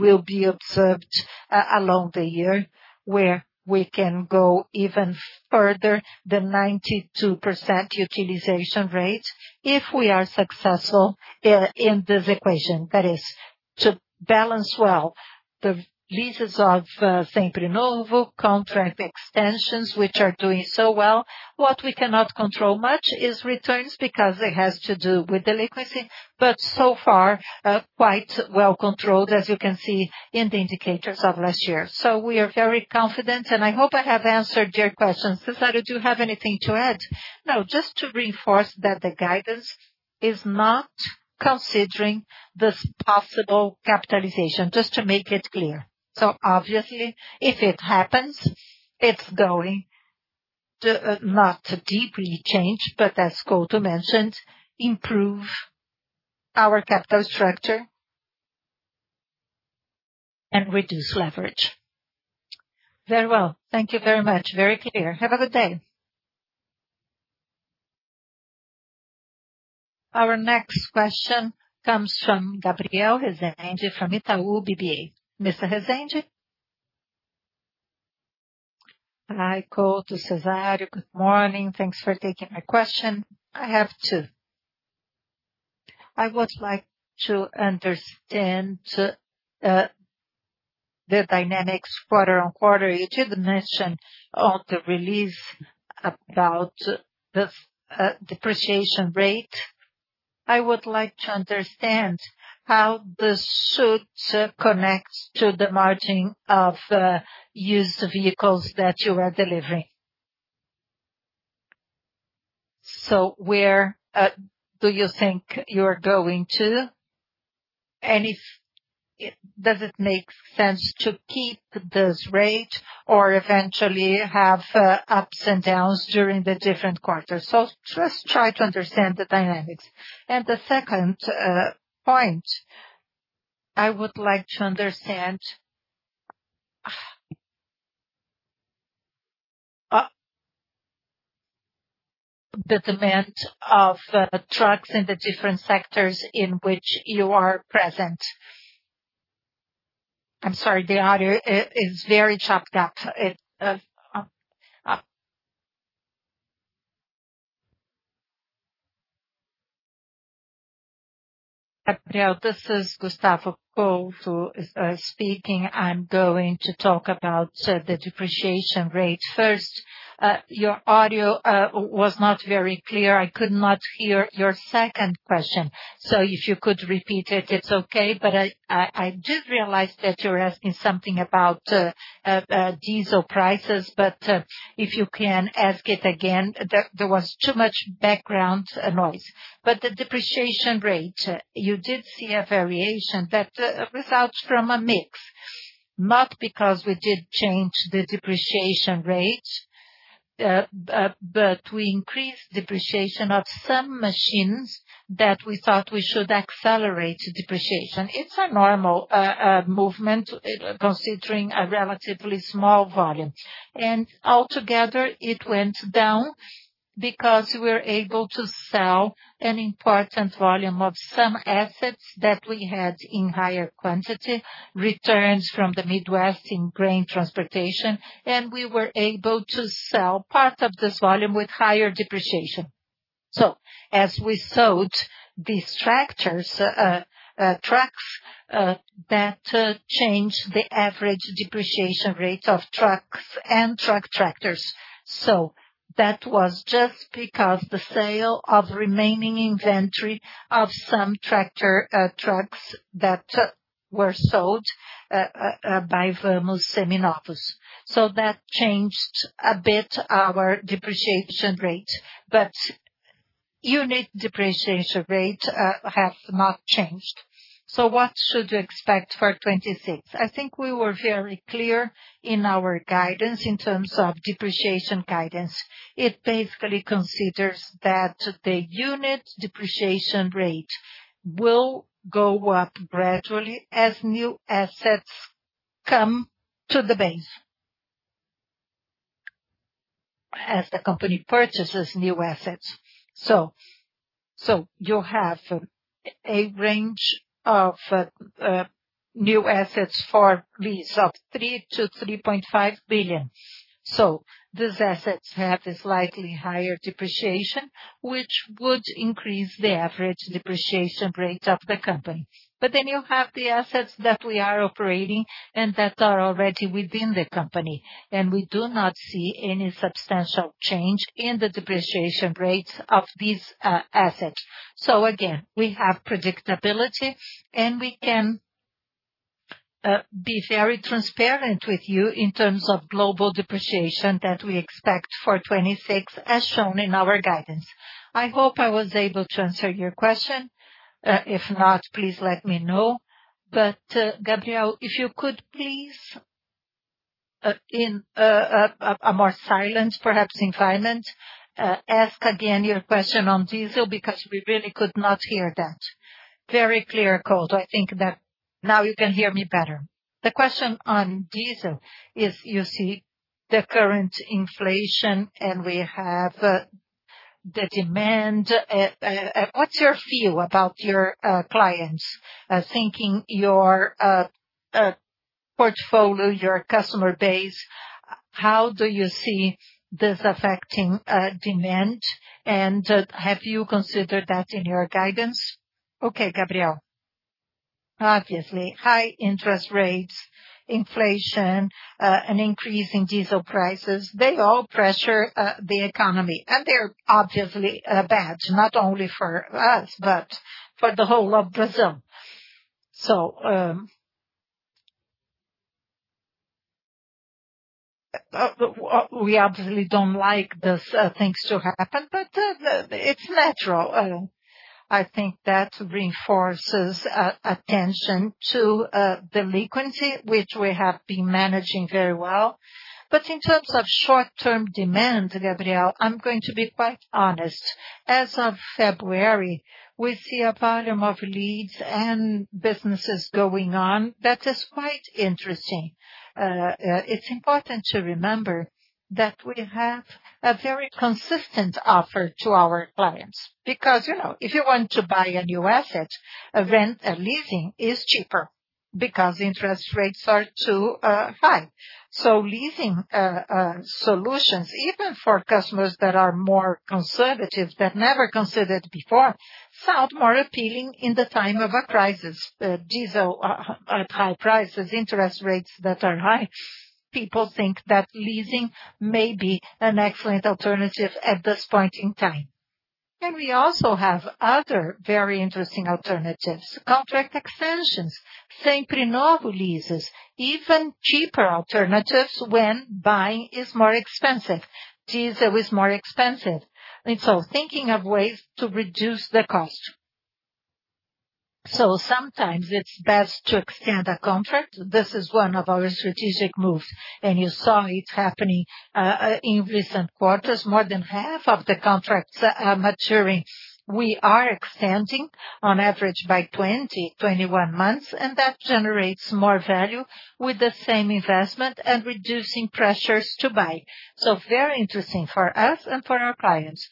will be observed along the year, where we can go even further than 92% utilization rate if we are successful in this equation. That is, to balance well the leases of Sempre Novo, contract extensions, which are doing so well. What we cannot control much is returns because it has to do with delinquency, but so far, quite well controlled, as you can see in the indicators of last year. We are very confident, and I hope I have answered your question. Cezário, do you have anything to add? No, just to reinforce that the guidance is not considering this possible capitalization, just to make it clear. Obviously if it happens, it's going to not deeply change, but as Couto mentioned, improve our capital structure and reduce leverage. Very well. Thank you very much. Very clear. Have a good day. Our next question comes from Gabriel Rezende from Itaú BBA. Mr. Rezende. Hi, Couto, Cezário. Good morning. Thanks for taking my question. I have two. I would like to understand the dynamics quarter-over-quarter. You did mention in the release about this depreciation rate. I would like to understand how this should connect to the margin of used vehicles that you are delivering. Where do you think you're going to? Does it make sense to keep this rate or eventually have ups and downs during the different quarters? Just try to understand the dynamics. The second point I would like to understand. The demand of trucks in the different sectors in which you are present. I'm sorry, the audio is very chopped up. Gabriel, this is Gustavo Couto speaking. I'm going to talk about the depreciation rate first. Your audio was not very clear. I could not hear your second question. If you could repeat it's okay. I did realize that you're asking something about diesel prices. If you can ask it again. There was too much background noise. The depreciation rate, you did see a variation that results from a mix, not because we did change the depreciation rate, but we increased depreciation of some machines that we thought we should accelerate depreciation. It's a normal movement considering a relatively small volume. Altogether, it went down because we were able to sell an important volume of some assets that we had in higher quantity, returns from the Midwest in grain transportation, and we were able to sell part of this volume with higher depreciation. As we sold these tractors, trucks, that changed the average depreciation rate of trucks and truck tractors. That was just because the sale of remaining inventory of some tractor trucks that were sold by Vamos Seminovos. That changed a bit our depreciation rate, but unit depreciation rate has not changed. What should you expect for 2026? I think we were very clear in our guidance in terms of depreciation guidance. It basically considers that the unit depreciation rate will go up gradually as new assets come to the base. As the company purchases new assets. You have a range of new assets for lease of 3 billion to 3.5 billion. These assets have a slightly higher depreciation, which would increase the average depreciation rate of the company. Then you have the assets that we are operating and that are already within the company, and we do not see any substantial change in the depreciation rates of these assets. Again, we have predictability and we can be very transparent with you in terms of global depreciation that we expect for 2026 as shown in our guidance. I hope I was able to answer your question. If not, please let me know. Gabriel, if you could please in a more silent, perhaps silently, ask again your question on diesel because we really could not hear that. Very clear, Couto. I think that now you can hear me better. The question on diesel is you see the current inflation and we have the demand. What's your view about your portfolio, your customer base, how do you see this affecting demand? And have you considered that in your guidance? Okay, Gabriel. Obviously, high interest rates, inflation, an increase in diesel prices, they all pressure the economy and they're obviously bad not only for us but for the whole of Brazil. We obviously don't like those things to happen, but it's natural. I think that reinforces attention to delinquency, which we have been managing very well. In terms of short-term demand, Gabriel, I'm going to be quite honest. As of February, we see a volume of leads and businesses going on. That is quite interesting. It's important to remember that we have a very consistent offer to our clients because, you know, if you want to buy a new asset, a rent, a leasing is cheaper because interest rates are too high. Leasing solutions even for customers that are more conservative that never considered before sound more appealing in the time of a crisis. Diesel at high prices, interest rates that are high, people think that leasing may be an excellent alternative at this point in time. We also have other very interesting alternatives. Contract extensions, Sempre Novo leases, even cheaper alternatives when buying is more expensive, diesel is more expensive. Thinking of ways to reduce the cost. Sometimes it's best to extend a contract. This is one of our strategic moves and you saw it happening in recent quarters. More than half of the contracts are maturing. We are extending on average by 20, 21 months and that generates more value with the same investment and reducing pressures to buy. Very interesting for us and for our clients.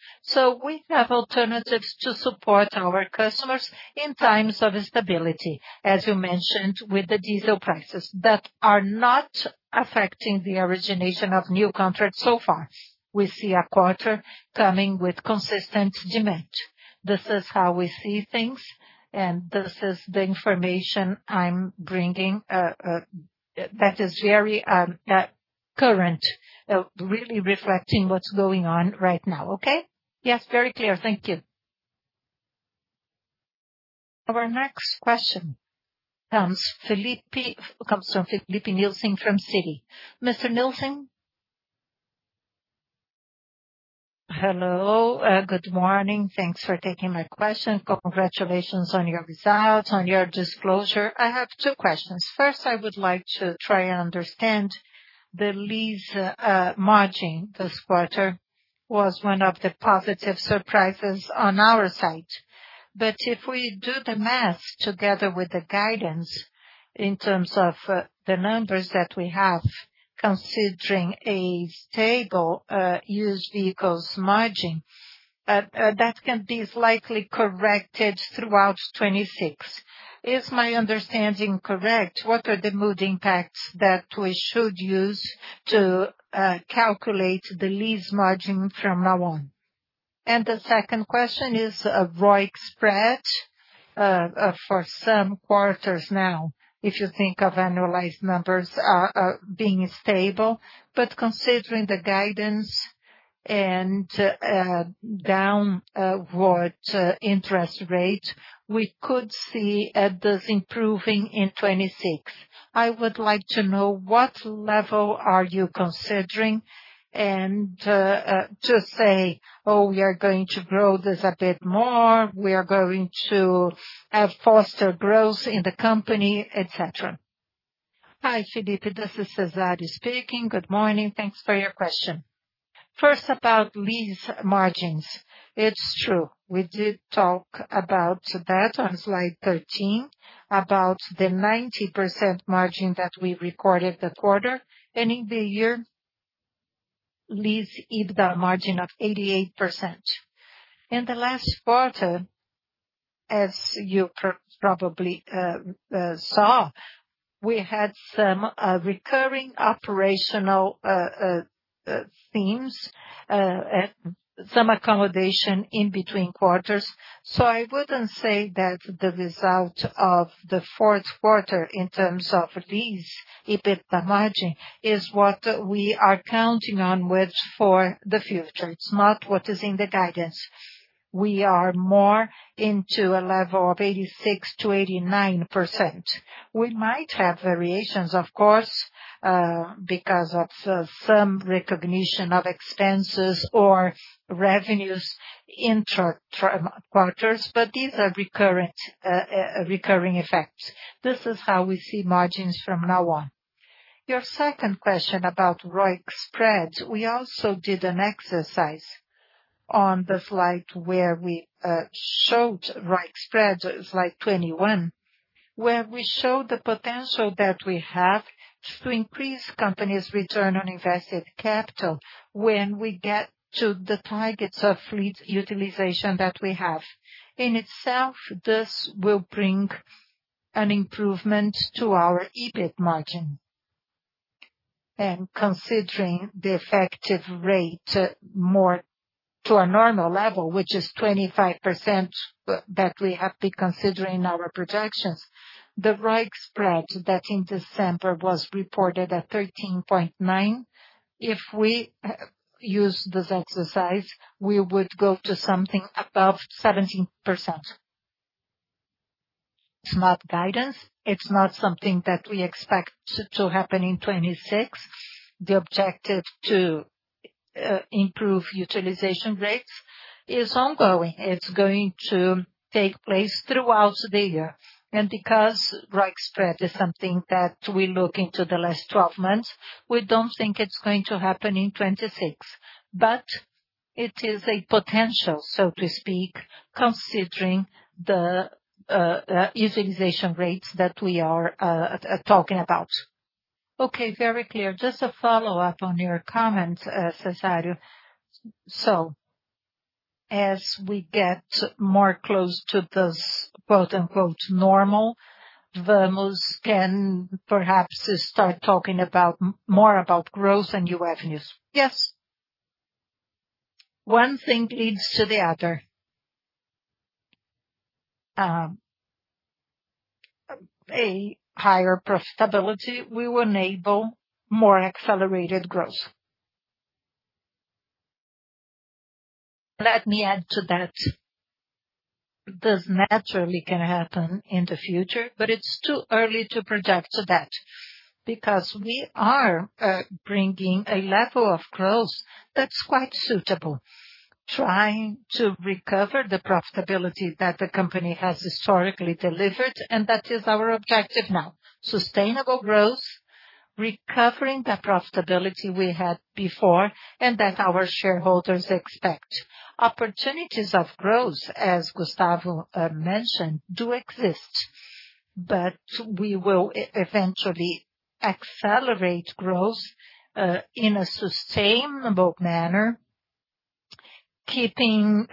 We have alternatives to support our customers in times of instability, as you mentioned with the diesel prices that are not affecting the origination of new contracts so far. We see a quarter coming with consistent demand. This is how we see things and this is the information I'm bringing that is very current, really reflecting what's going on right now, okay. Yes, very clear. Thank you. Our next question comes from Filipe Nielsen from Citigroup. Mr. Nielsen. Hello. Good morning. Thanks for taking my question. Congratulations on your results, on your disclosure. I have two questions. First, I would like to try and understand the lease margin this quarter was one of the positive surprises on our side. If we do the math together with the guidance in terms of the numbers that we have considering a stable used vehicles margin that can be slightly corrected throughout 2026. Is my understanding correct? What are the main impacts that we should use to calculate the lease margin from now on? The second question is ROIC spread for some quarters now, if you think of annualized numbers being stable, but considering the guidance and downward interest rate, we could see this improving in 2026. I would like to know what level are you considering and to say, "Oh, we are going to grow this a bit more. We are going to foster growth in the company," et cetera. Hi, Felipe. This is Cezário speaking. Good morning. Thanks for your question. First, about lease margins. It's true. We did talk about that on slide 13, about the 90% margin that we recorded that quarter. In the year lease EBITDA margin of 88%. In the last quarter, as you probably saw, we had some recurring operational themes at some accommodation in between quarters. I wouldn't say that the result of the Q4 in terms of lease EBITDA margin is what we are counting on for the future. It's not what is in the guidance. We are more into a level of 86% to 89%. We might have variations, of course, because of some recognition of expenses or revenues between quarters, but these are recurring effects. This is how we see margins from now on. Your second question about ROIC spreads, we also did an exercise on the slide where we showed ROIC spread, slide 21, where we showed the potential that we have to increase company's return on invested capital when we get to the targets of fleet utilization that we have. In itself, this will bring an improvement to our EBIT margin. Considering the effective rate more to a normal level, which is 25% that we have been considering in our projections, the ROIC spread that in December was reported at 13.9%, if we use this exercise, we would go to something above 17%. It's not guidance. It's not something that we expect to happen in 2026. The objective to improve utilization rates is ongoing. It's going to take place throughout the year. Because ROIC spread is something that we look into the last twelve months, we don't think it's going to happen in 2026. But it is a potential, so to speak, considering the utilization rates that we are talking about. Okay, very clear. Just a follow-up on your comment, Cezário. As we get closer to this, quote unquote, "normal," Vamos can perhaps start talking more about growth and new avenues. Yes. One thing leads to the other. A higher profitability will enable more accelerated growth. Let me add to that. This naturally can happen in the future, but it's too early to project that because we are bringing a level of growth that's quite suitable, trying to recover the profitability that the company has historically delivered and that is our objective now. Sustainable growth, recovering the profitability we had before and that our shareholders expect. Opportunities of growth, as Gustavo mentioned, do exist, but we will eventually accelerate growth in a sustainable manner, keeping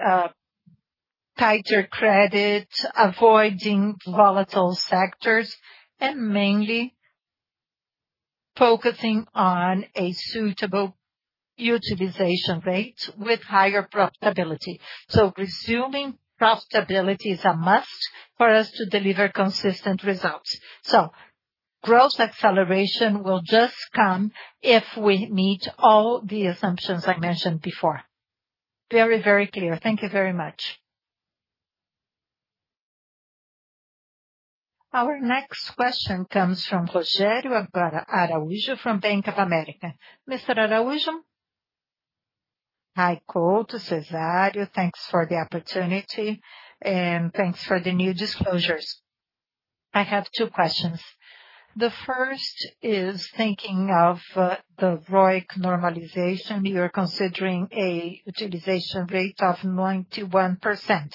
tighter credit, avoiding volatile sectors, and mainly focusing on a suitable utilization rate with higher profitability. Resuming profitability is a must for us to deliver consistent results. Growth acceleration will just come if we meet all the assumptions I mentioned before. Very, very clear. Thank you very much. Our next question comes from Rogério Araújo from Bank of America. Mr. Araújo. Hi, Couto, Cezário. Thanks for the opportunity and thanks for the new disclosures. I have two questions. The first is thinking of the ROIC normalization, you are considering a utilization rate of 91%,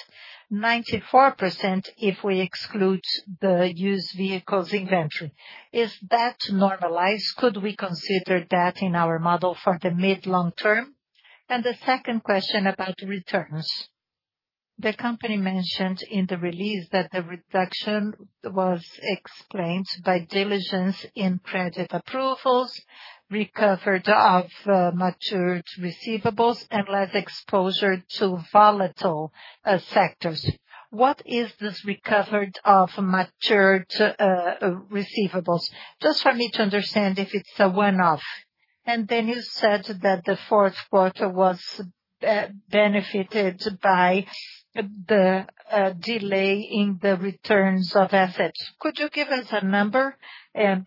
94% if we exclude the used vehicles inventory. If that normalize, could we consider that in our model for the mid-long term? The second question about returns. The company mentioned in the release that the reduction was explained by diligence in credit approvals, recovery of matured receivables, and less exposure to volatile sectors. What is this recovery of matured receivables? Just for me to understand if it's a one-off. You said that the Q4 was benefited by the delay in the returns of assets. Could you give us a number?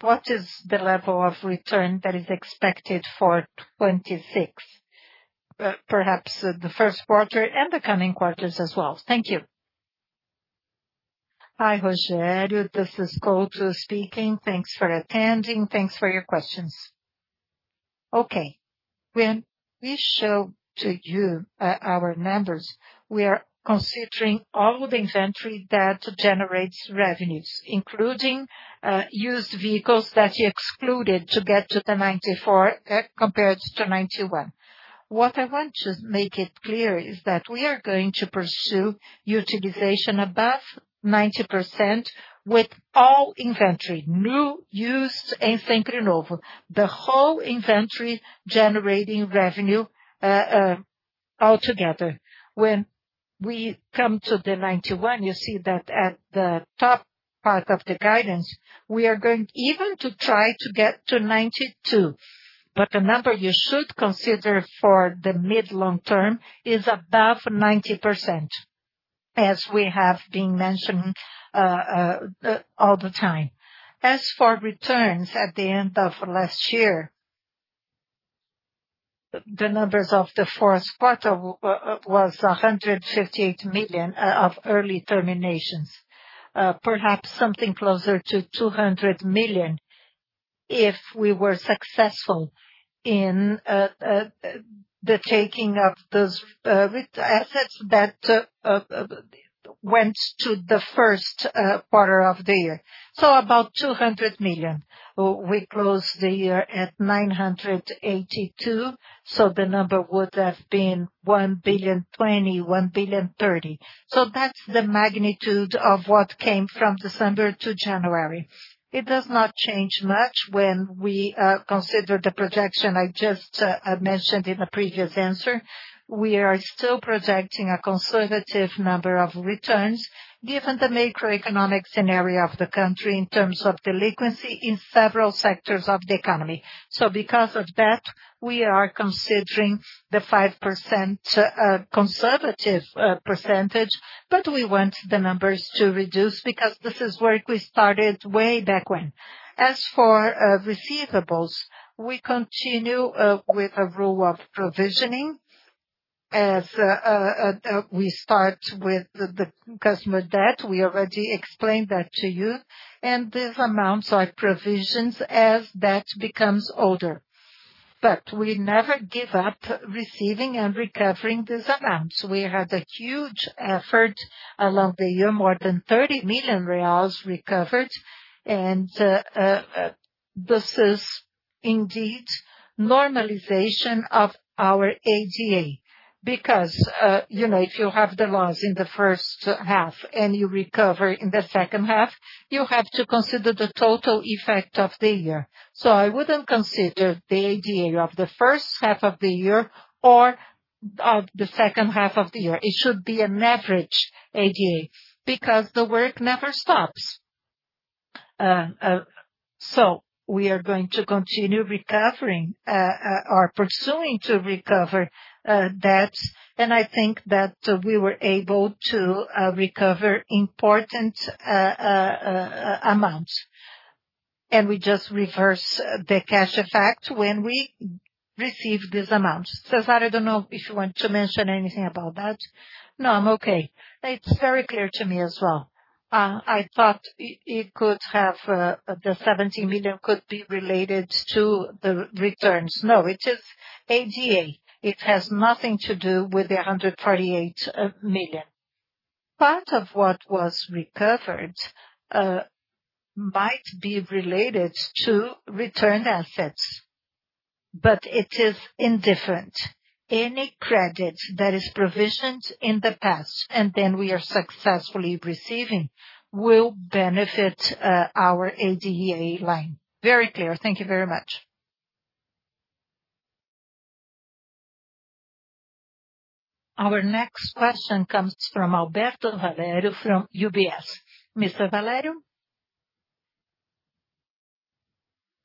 What is the level of return that is expected for 2026, perhaps the Q1 and the coming quarters as well? Thank you. Hi, Rogério Araújo. This is Gustavo Couto speaking. Thanks for attending. Thanks for your questions. Okay. When we show to you our numbers, we are considering all the inventory that generates revenues, including used vehicles that you excluded to get to the 94%, compared to 91%. What I want to make it clear is that we are going to pursue utilization above 90% with all inventory, new, used and seminovos. The whole inventory generating revenue altogether. When we come to the 91%, you see that at the top part of the guidance, we are going even to try to get to 92%. The number you should consider for the mid-long term is above 90%, as we have been mentioning all the time. As for returns, at the end of last year the numbers of the Q4 was 158 million of early terminations. Perhaps something closer to 200 million if we were successful in the taking of those with assets that went to the Q1 of the year. About 200 million. We closed the year at 982 million, so the number would have been 1.02 billion, 1.03 billion. That's the magnitude of what came from December to January. It does not change much when we consider the projection I just mentioned in the previous answer. We are still projecting a conservative number of returns given the macroeconomic scenario of the country in terms of delinquency in several sectors of the economy. Because of that, we are considering the 5% conservative percentage, but we want the numbers to reduce because this is work we started way back when. As for receivables, we continue with a rule of provisioning as we start with the customer debt. We already explained that to you, and these amounts are provisions as debt becomes older. We never give up receiving and recovering these amounts. We had a huge effort along the year, more than 30 million reais recovered. This is indeed normalization of our ADA. Because, you know, if you have the loss in the first half and you recover in the second half, you have to consider the total effect of the year. I wouldn't consider the ADA of the first half of the year or of the second half of the year. It should be an average ADA because the work never stops. We are going to continue recovering, or pursuing to recover, debts. I think that we were able to recover important amount. We just reverse the cash effect when we receive these amounts. Cezário, I don't know if you want to mention anything about that. No, I'm okay. It's very clear to me as well. I thought it could have, the 70 million could be related to the returns. No, it is ADA. It has nothing to do with 148 million. Part of what was recovered might be related to return assets, but it is indifferent. Any credit that is provisioned in the past and then we are successfully receiving will benefit our ADA line. Very clear. Thank you very much. Our next question comes from Alberto Valerio from UBS. Mr. Valerio.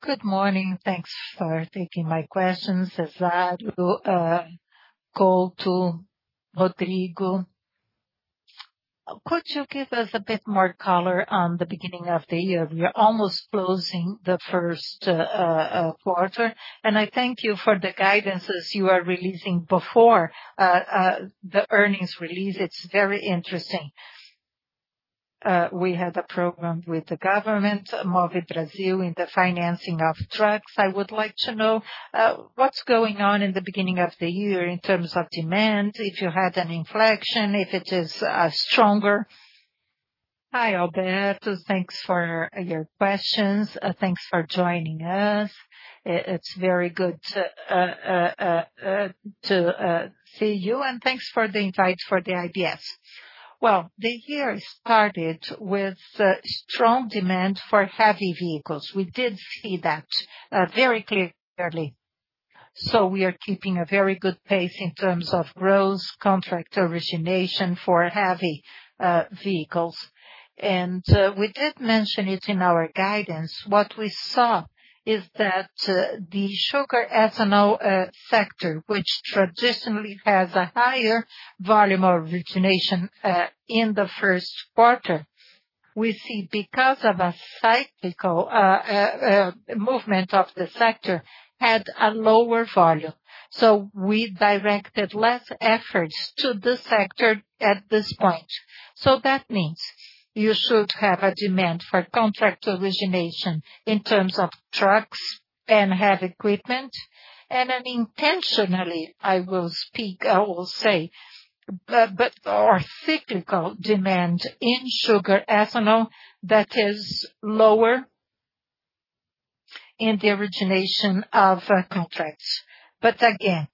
Good morning. Thanks for taking my questions. Cezário, Gustavo Couto, Rodrigo. Could you give us a bit more color on the beginning of the year? We are almost closing the Q1. I thank you for the guidances you are releasing before the earnings release. It's very interesting. We had a program with the government, Mover, in the financing of trucks. I would like to know, what's going on in the beginning of the year in terms of demand, if you had an inflection, if it is, stronger. Hi, Alberto. Thanks for your questions. Thanks for joining us. It's very good to see you. And thanks for the invite for the IBS. Well, the year started with strong demand for heavy vehicles. We did see that very clearly. We are keeping a very good pace in terms of growth, contract origination for heavy vehicles. We did mention it in our guidance. What we saw is that, the sugar ethanol sector, which traditionally has a higher volume of origination, in the Q1, we see because of a cyclical movement of the sector, had a lower volume. We directed less efforts to this sector at this point. That means you should have a demand for contract origination in terms of trucks and heavy equipment but our cyclical demand in sugar ethanol that is lower in the origination of contracts. Again,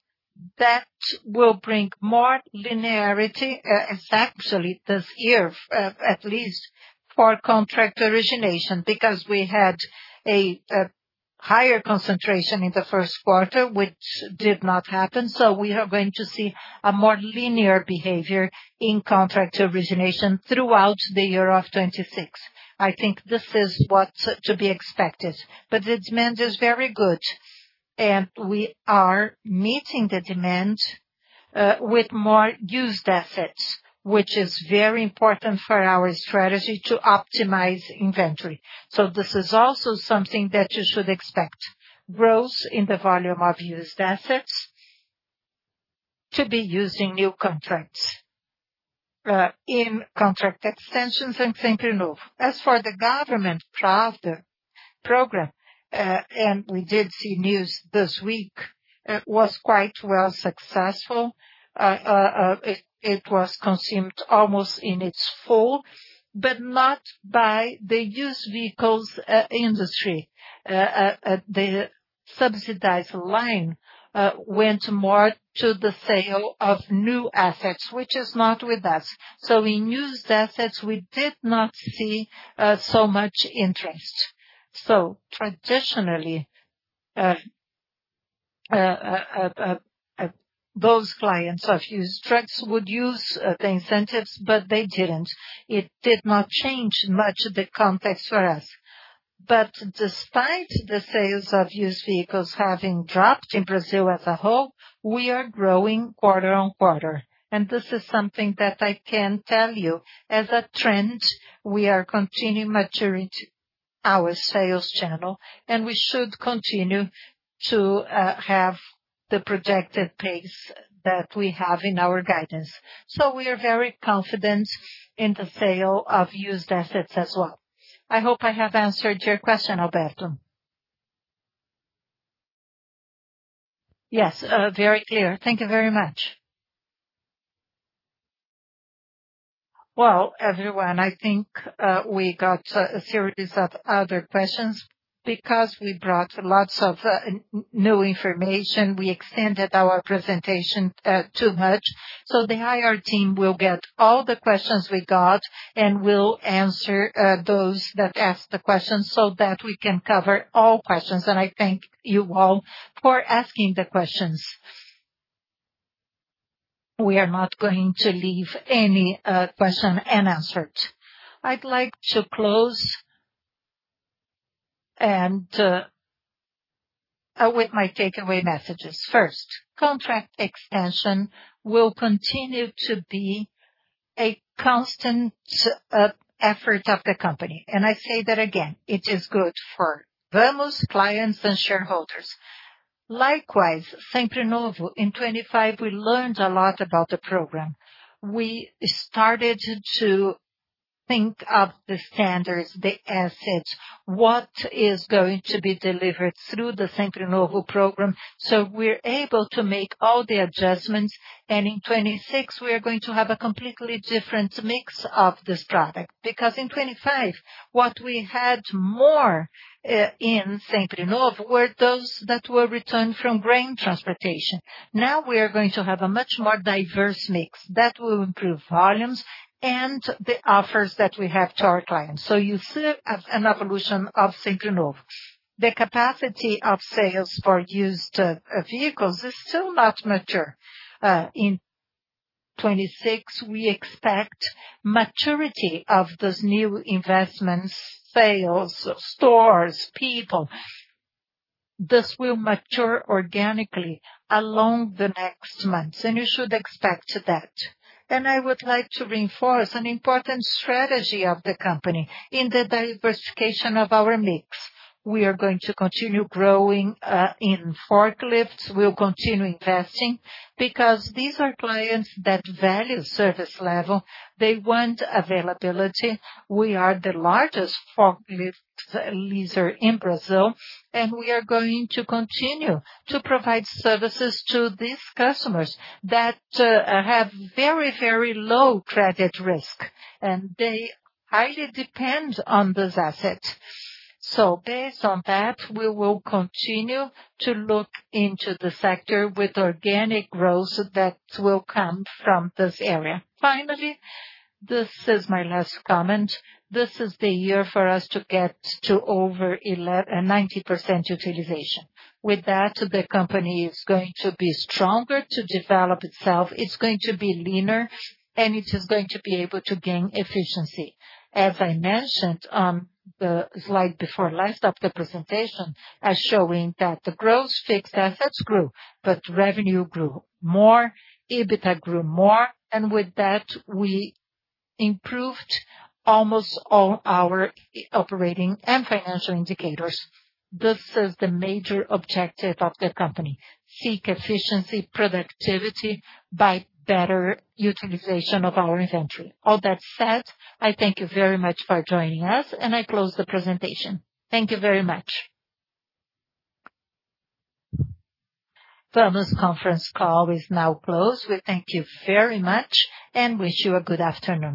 that will bring more linearity actually this year at least for contract origination because we had a higher concentration in the Q1 which did not happen. We are going to see a more linear behavior in contract origination throughout the year of 2026. I think this is what's to be expected. The demand is very good and we are meeting the demand with more used assets which is very important for our strategy to optimize inventory. This is also something that you should expect. Growth in the volume of used assets to be used in new contracts, in contract extensions in Sempre Novo. As for the government Pra Valer program, and we did see news this week, was quite well successful. It was consumed almost in its full, but not by the used vehicles industry. The subsidized line went more to the sale of new assets, which is not with us. In used assets we did not see so much interest. Traditionally, those clients of used trucks would use the incentives, but they didn't. It did not change much of the context for us. Despite the sales of used vehicles having dropped in Brazil as a whole, we are growing quarter-over-quarter. This is something that I can tell you. As a trend, we are continuing maturing our sales channel and we should continue to have the projected pace that we have in our guidance. We are very confident in the sale of used assets as well. I hope I have answered your question, Alberto. Yes, very clear. Thank you very much. Well, everyone, I think we got a series of other questions. Because we brought lots of new information, we extended our presentation too much. The IR team will get all the questions we got, and we'll answer those that asked the questions so that we can cover all questions. I thank you all for asking the questions. We are not going to leave any question unanswered. I'd like to close and with my takeaway messages. First, contract extension will continue to be a constant effort of the company. I say that again, it is good for Vamos clients and shareholders. Likewise, Sempre Novo in 2025 we learned a lot about the program. We started to think of the standards, the assets, what is going to be delivered through the Sempre Novo program, so we're able to make all the adjustments. In 2026 we are going to have a completely different mix of this product. Because in 2025, what we had more in Sempre Novo were those that were returned from grain transportation. Now we are going to have a much more diverse mix. That will improve volumes and the offers that we have to our clients. You see an evolution of Sempre Novo. The capacity of sales for used vehicles is still not mature. In 2026, we expect maturity of those new investments, sales, stores, people. This will mature organically along the next months, and you should expect that. I would like to reinforce an important strategy of the company in the diversification of our mix. We are going to continue growing in forklifts. We'll continue investing because these are clients that value service level. They want availability. We are the largest forklift leaser in Brazil, and we are going to continue to provide services to these customers that have very low credit risk, and they highly depend on this asset. Based on that, we will continue to look into the sector with organic growth that will come from this area. Finally, this is my last comment. This is the year for us to get to over 90% utilization. With that, the company is going to be stronger to develop itself, it's going to be leaner, and it is going to be able to gain efficiency. As I mentioned on the slide before last of the presentation, as shown that the gross fixed assets grew, but revenue grew more, EBITDA grew more, and with that, we improved almost all our operating and financial indicators. This is the major objective of the company, seek efficiency, productivity by better utilization of our inventory. All that said, I thank you very much for joining us, and I close the presentation. Thank you very much. Vamos conference call is now closed. We thank you very much and wish you a good afternoon.